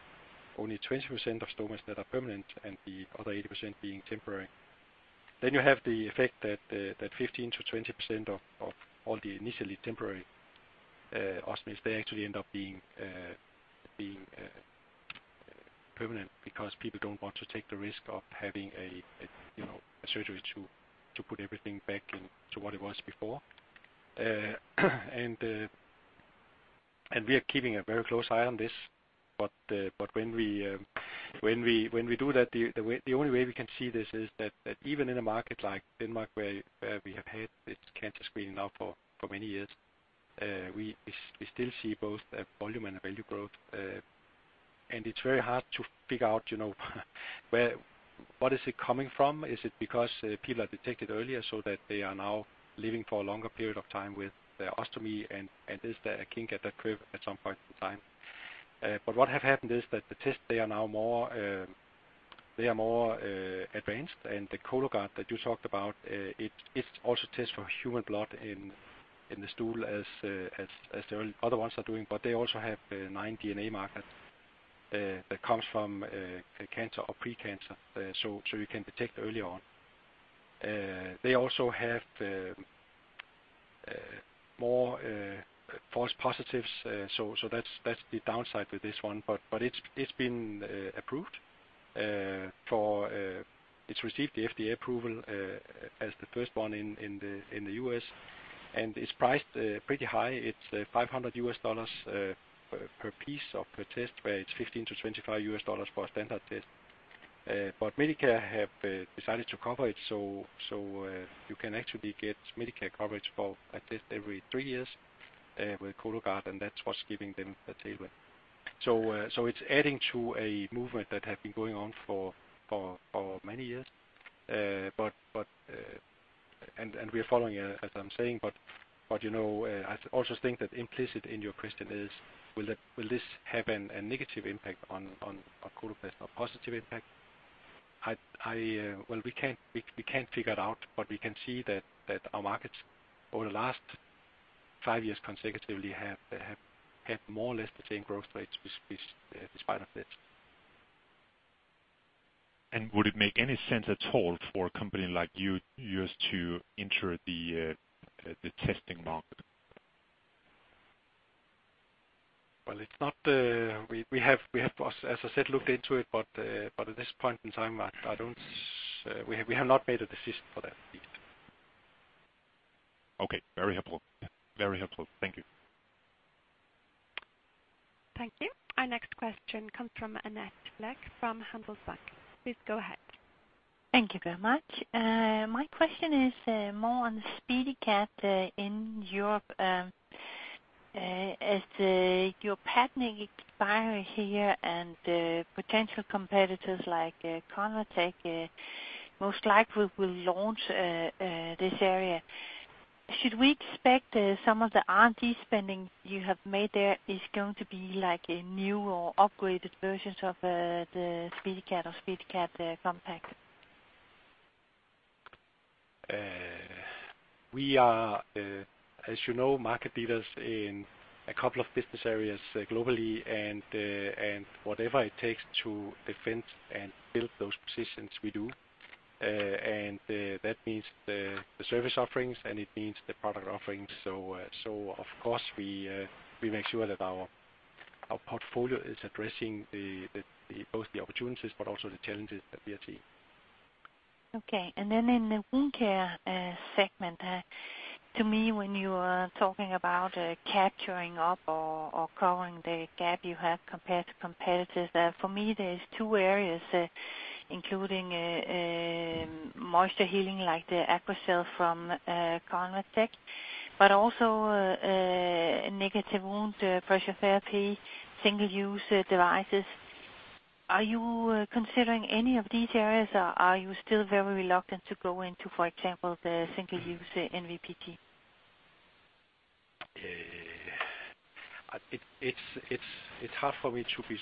only 20% of stomas that are permanent, and the other 80% being temporary. You have the effect that 15%-20% of all the initially temporary ostomies, they actually end up being permanent because people don't want to take the risk of having a, you know, a surgery to put everything back in to what it was before. And we are keeping a very close eye on this. when we do that, the way, the only way we can see this is that even in a market like Denmark, where we have had this cancer screening now for many years, we still see both a volume and a value growth. It's very hard to figure out, you know, where, what is it coming from? Is it because people are detected earlier so that they are now living for a longer period of time with their ostomy, and is there a kink at that curve at some point in time? What have happened is that the tests, they are now more advanced, and the Cologuard that you talked about, it also tests for human blood in the stool as the other ones are doing, but they also have nine DNA markers that comes from cancer or pre-cancer, so you can detect earlier on. They also have more false positives, so that's the downside with this one. It's been approved for it's received the FDA approval as the first one in the US, and it's priced pretty high. It's $500 per piece or per test, where it's $15-$25 for a standard test. Medicare have decided to cover it, so, you can actually get Medicare coverage for a test every three years with Cologuard, and that's what's giving them the tailwind. It's adding to a movement that have been going on for many years. We are following it, as I'm saying. You know, I also think that implicit in your question is will this have a negative impact on Coloplast or a positive impact? Well, we can't figure it out, but we can see that our markets over the last 5 years consecutively have more or less the same growth rates, which, despite of this. Would it make any sense at all for a company like yours to enter the testing market? It's not, we have, as I said, looked into it, but at this point in time, I don't, we have not made a decision for that yet. Okay, very helpful. Very helpful. Thank you. Thank you. Our next question comes from Annette Lykke from Handelsbanken. Please go ahead. Thank you very much. My question is more on the SpeediCath in Europe. As your patent expires here, and potential competitors like ConvaTec most likely will launch this area, should we expect some of the R&D spending you have made there is going to be like a new or upgraded versions of the SpeediCath or SpeediCath Compact? We are, as you know, market leaders in a couple of business areas, globally, and whatever it takes to defend and build those positions, we do. That means the service offerings, and it means the product offerings. Of course we make sure that our portfolio is addressing the both the opportunities but also the challenges that we are seeing. Okay. In the Wound Care segment, to me, when you are talking about capturing up or covering the gap you have compared to competitors, for me, there's two areas, including moisture healing, like the AQUACEL from ConvaTec, but also negative pressure wound therapy, single-use devices. Are you considering any of these areas, or are you still very reluctant to go into, for example, the single-use NPWT? It's hard for me to be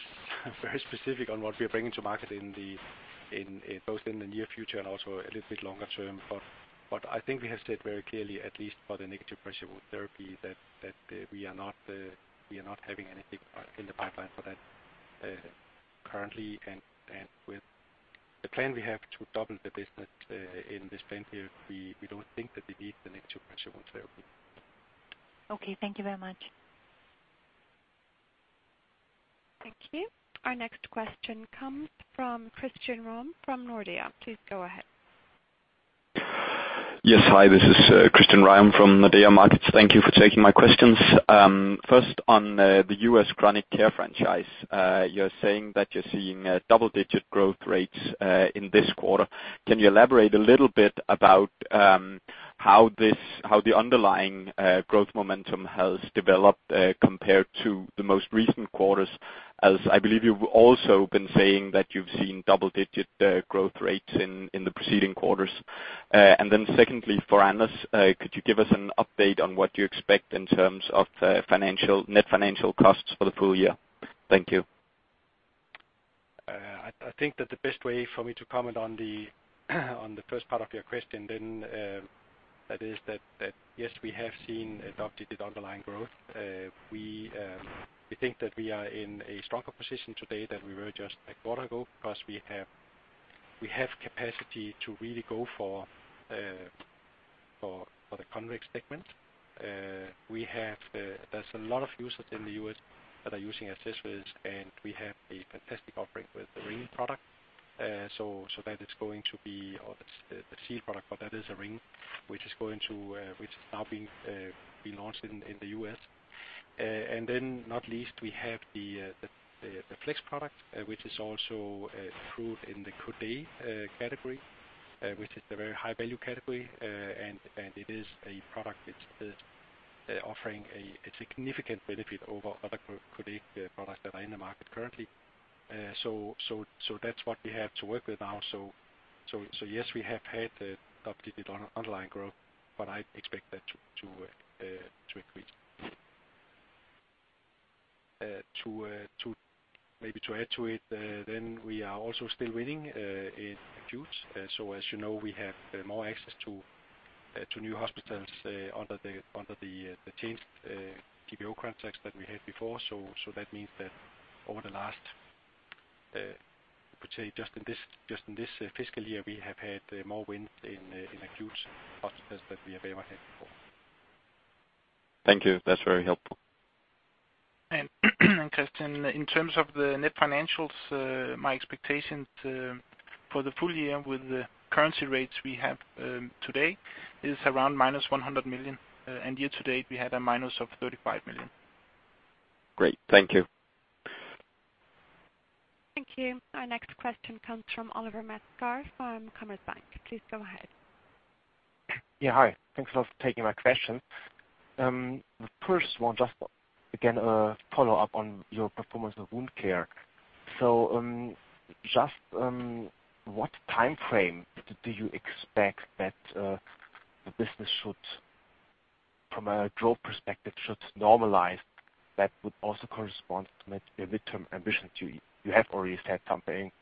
very specific on what we are bringing to market in both in the near future and also a little bit longer term. I think we have said very clearly, at least for the negative pressure wound therapy, that we are not having anything in the pipeline for that currently. With the plan, we have to double the business in this plan period, we don't think that it needs the negative pressure wound therapy. Okay. Thank you very much. Thank you. Our next question comes from Kristian Johansen from Nordea. Please go ahead. Yes, hi, this is Kristian Johansen from Nordea Markets. Thank you for taking my questions. First, on the U.S. chronic care franchise, you're saying that you're seeing double-digit growth rates in this quarter. Can you elaborate a little bit about how this, how the underlying growth momentum has developed compared to the most recent quarters? As I believe you've also been saying that you've seen double-digit growth rates in the preceding quarters. Then secondly, for Anders, could you give us an update on what you expect in terms of financial, net financial costs for the full year? Thank you. I think that the best way for me to comment on the first part of your question, that is that, yes, we have seen a double-digit underlying growth. We think that we are in a stronger position today than we were just a quarter ago, because we have capacity to really go for the Convex segment. We have there's a lot of users in the U.S. that are using accessories, and we have a fantastic offering with the ring product. That is going to be, or the seal product, but that is a ring which is going to which is now being launched in the U.S. Not least, we have the Flex product, which is also approved in the Coude category, which is the very high value category. It is a product which is offering a significant benefit over other Coude products that are in the market currently. That's what we have to work with now. Yes, we have had a double-digit online growth, but I expect that to increase. Maybe to add to it, we are also still winning in acute. As you know, we have more access to new hospitals, under the changed GPO contracts that we had before. That means that over the last, I would say just in this fiscal year, we have had more wins in acute hospitals than we have ever had before. Thank you. That's very helpful. Kristian, in terms of the net financials, my expectations for the full year with the currency rates we have today is around -100 million, and year-to-date, we had a minus of 35 million. Great. Thank you. Thank you. Our next question comes from Oliver Metzger from Commerzbank. Please go ahead. Yeah, hi. Thanks a lot for taking my question. The first one, just again, follow up on your performance of Wound Care. just what time frame do you expect that the business should, from a growth perspective, should normalize that would also correspond to mid-term ambition to you? You have already said something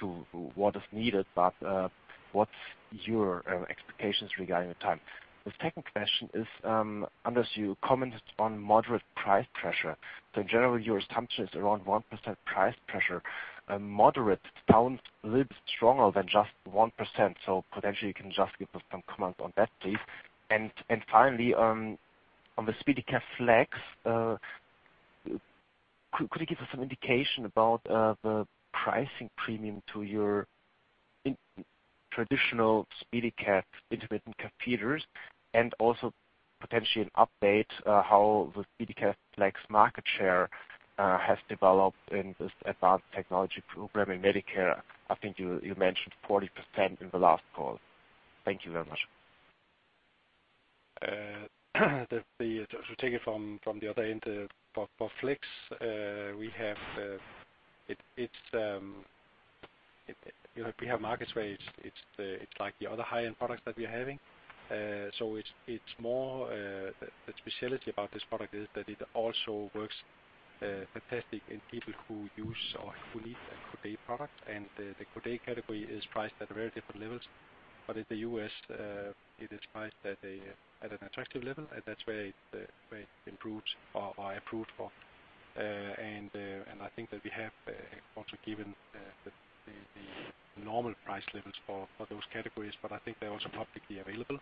to what is needed, but what's your expectations regarding the time? The second question is, unless you commented on moderate price pressure? In general, your assumption is around 1% price pressure, and moderate sounds a little bit stronger than just 1%. Potentially, you can just give us some comment on that, please. Finally, on the SpeediCath Flex, could you give us some indication about the pricing premium to your in traditional SpeediCath intermittent catheters, and also potentially an update how the SpeediCath Flex market share has developed in this advanced technology program in Medicare? I think you mentioned 40% in the last call. Thank you very much. To take it from the other end, for Flex, we have market share. It's the, it's like the other high-end products that we're having. It's more, the specialty about this product is that it also works fantastic in people who use or who need a Coude product. The Coude category is priced at very different levels. In the U.S., it is priced at an attractive level, and that's where it, where it improves or approved for. I think that we have also given the normal price levels for those categories, but I think they're also publicly available.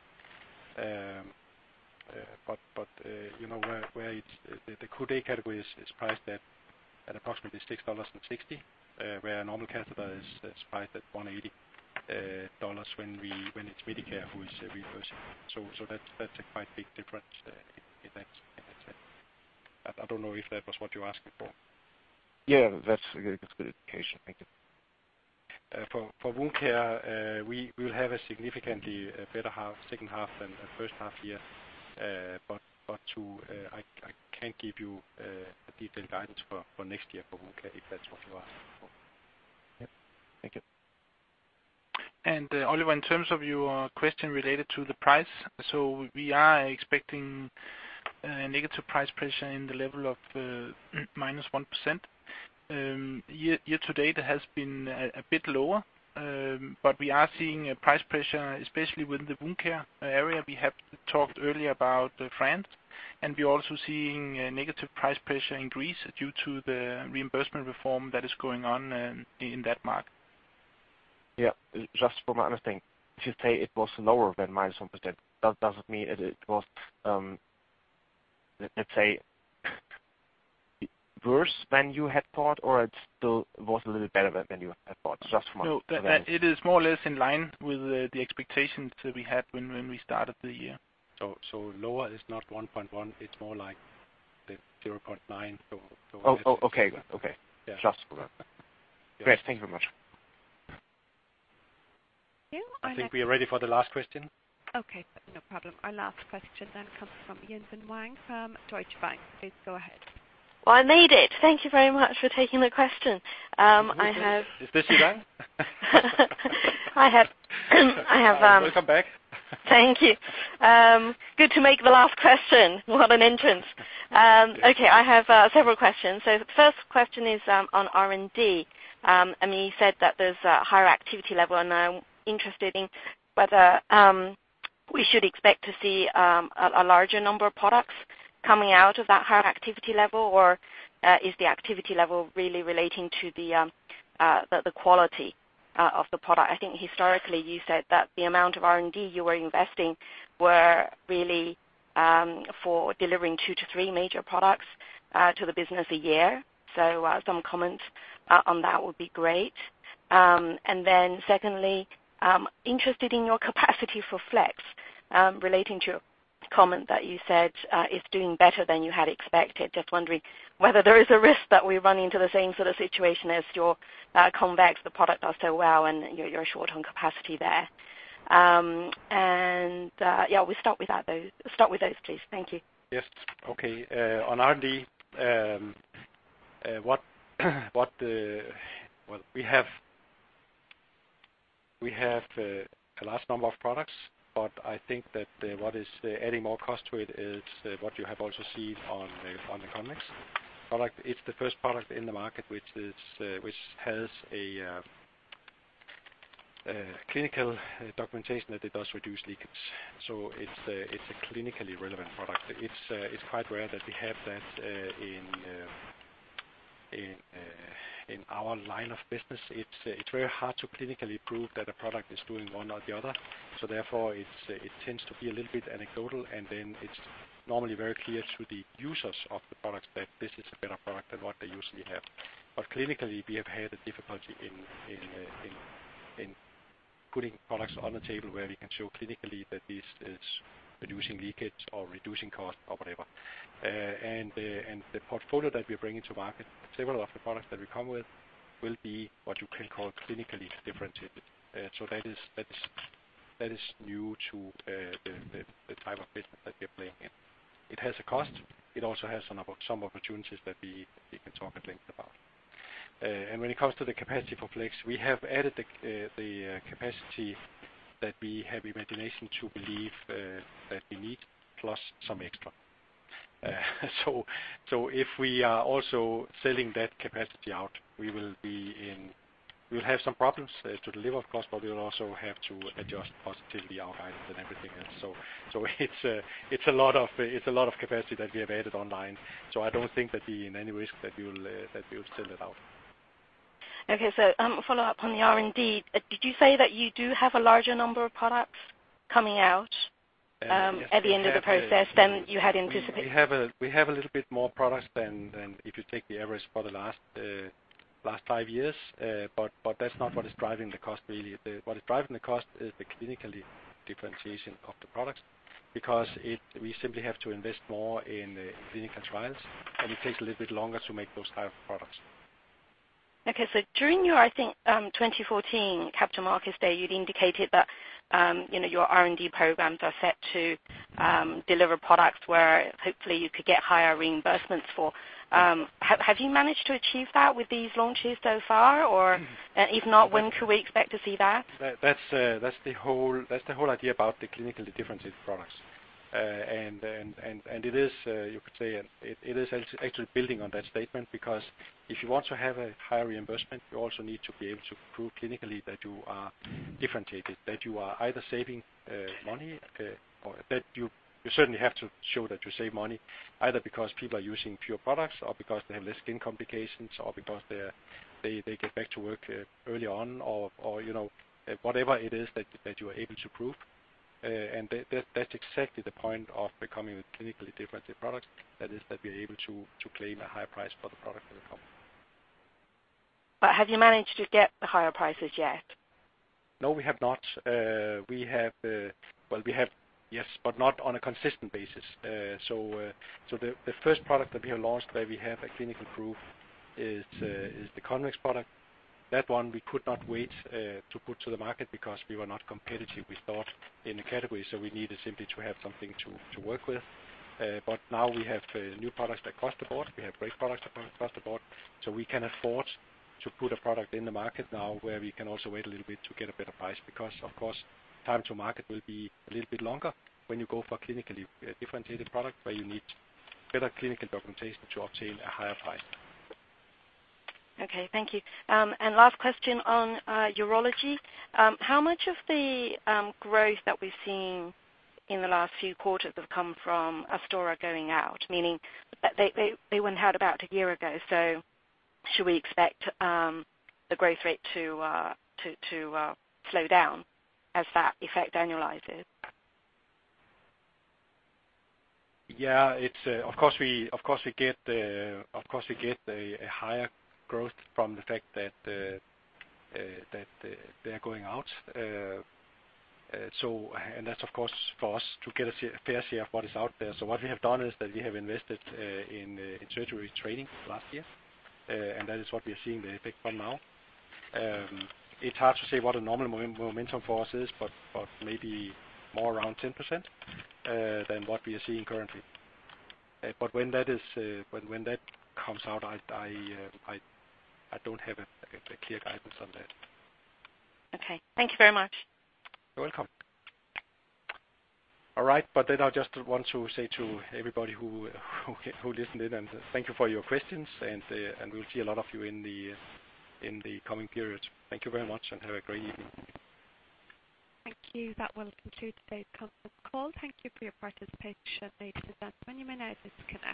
You know, where it's the Coude category is priced at approximately $6.60, where a normal catheter is priced at $1.80 when it's Medicare who is reimbursing. That's a quite big difference in that sense. I don't know if that was what you're asking for. Yeah, that's a good indication. Thank you. For wound care, we will have a significantly better half, second half than the first half year. To, I can't give you a detailed guidance for next year for wound care, if that's what you are asking for. Yep. Thank you. Oliver, in terms of your question related to the price, we are expecting negative price pressure in the level of -1%. Year to date, it has been a bit lower, but we are seeing a price pressure, especially within the Wound & Skin Care area. We have talked earlier about France, and we're also seeing a negative price pressure in Greece due to the reimbursement reform that is going on in that market. Just from my understanding, you say it was lower than minus 1%. That doesn't mean it was, let's say, worse than you had thought, or it still was a little better than you had thought? It is more or less in line with the expectations that we had when we started the year. lower is not 1.1, it's more like the 0.9. Oh, okay. Yeah. Just for that. Yeah. Great. Thank you very much. Thank you. I think we are ready for the last question. Okay, no problem. Our last question then comes from Yi-Dan Wang from Deutsche Bank. Please go ahead. Well, I made it! Thank you very much for taking the question. Is this you, Wang? I have Welcome back. Thank you. Good to make the last question. What an entrance. Okay, I have several questions. The first question is on R&D. I mean, you said that there's a higher activity level, and I'm interested in whether we should expect to see a larger number of products coming out of that higher activity level? Or is the activity level really relating to the quality of the product? I think historically, you said that the amount of R&D you were investing were really for delivering two to three major products to the business a year. Some comments on that would be great. And then secondly, interested in your capacity for flex, relating to your comment that you said is doing better than you had expected. Just wondering whether there is a risk that we run into the same sort of situation as your Convex, the product does so well, and you're short on capacity there. Yeah, we'll start with those, please. Thank you. Yes. Okay. On R&D, what we have a large number of products, but I think that what is adding more cost to it is what you have also seen on the Convex product, it's the first product in the market, which is which has a clinical documentation that it does reduce leakages. It's a clinically relevant product. It's quite rare that we have that in our line of business. It's very hard to clinically prove that a product is doing one or the other, so therefore, it tends to be a little bit anecdotal, and then it's normally very clear to the users of the products that this is a better product than what they usually have. Clinically, we have had a difficulty in putting products on the table where we can show clinically that this is reducing leakage or reducing cost or whatever. The portfolio that we're bringing to market, several of the products that we come with, will be what you can call clinically differentiated. That is new to the type of business that we're playing in. It has a cost. It also has some opportunities that we can talk at length about. When it comes to the capacity for Flex, we have added the capacity that we have imagination to believe that we need, plus some extra. If we are also selling that capacity out, we will be in... We'll have some problems to deliver, of course, but we will also have to adjust positively our guidance and everything else. It's a lot of capacity that we have added online, so I don't think that we in any risk that we will that we'll sell it out. Okay, follow up on the R&D. Did you say that you do have a larger number of products coming out? Yes. at the end of the process than you had anticipated? We have a little bit more products than if you take the average for the last five years. That's not what is driving the cost, really. What is driving the cost is the clinically differentiation of the products, because we simply have to invest more in the clinical trials, and it takes a little bit longer to make those type of products. During your, I think, 2014 capital markets day, you'd indicated that, you know, your R&D programs are set to deliver products where hopefully you could get higher reimbursements for. Have you managed to achieve that with these launches so far? Or, if not, when could we expect to see that? That's the whole idea about the clinically differentiated products. It is, you could say, it is actually building on that statement because if you want to have a high reimbursement, you also need to be able to prove clinically that you are differentiated, that you are either saving money, or that you certainly have to show that you save money, either because people are using pure products or because they have less skin complications, or because they get back to work early on or, you know, whatever it is that you are able to prove. That's exactly the point of becoming a clinically differentiated product, that is, that we're able to claim a higher price for the product that we come. Have you managed to get the higher prices yet? No, we have not. We have, yes, but not on a consistent basis. The first product that we have launched, where we have a clinical proof, is the Convex product. That one, we could not wait to put to the market because we were not competitive, we thought, in the category. We needed simply to have something to work with. Now we have new products across the board. We have great products across the board. We can afford to put a product in the market now where we can also wait a little bit to get a better price, because, of course, time to market will be a little bit longer when you go for clinically differentiated product, where you need better clinical documentation to obtain a higher price. Okay, thank you. Last question on urology. How much of the growth that we've seen in the last few quarters have come from Astora going out, meaning that they went out about a year ago, so should we expect the growth rate to slow down as that effect annualizes? Yeah, it's. Of course we get a higher growth from the fact that they're going out. That's, of course, for us to get a fair share of what is out there. What we have done is that we have invested in surgery training last year, and that is what we are seeing the effect from now. It's hard to say what a normal momentum for us is, but maybe more around 10% than what we are seeing currently. When that is, when that comes out, I don't have a clear guidance on that. Okay. Thank you very much. You're welcome. All right, I just want to say to everybody who listened in, and thank you for your questions, and we'll see a lot of you in the coming periods. Thank you very much and have a great evening. Thank you. That will conclude today's conference call. Thank you for your participation. You may now disconnect.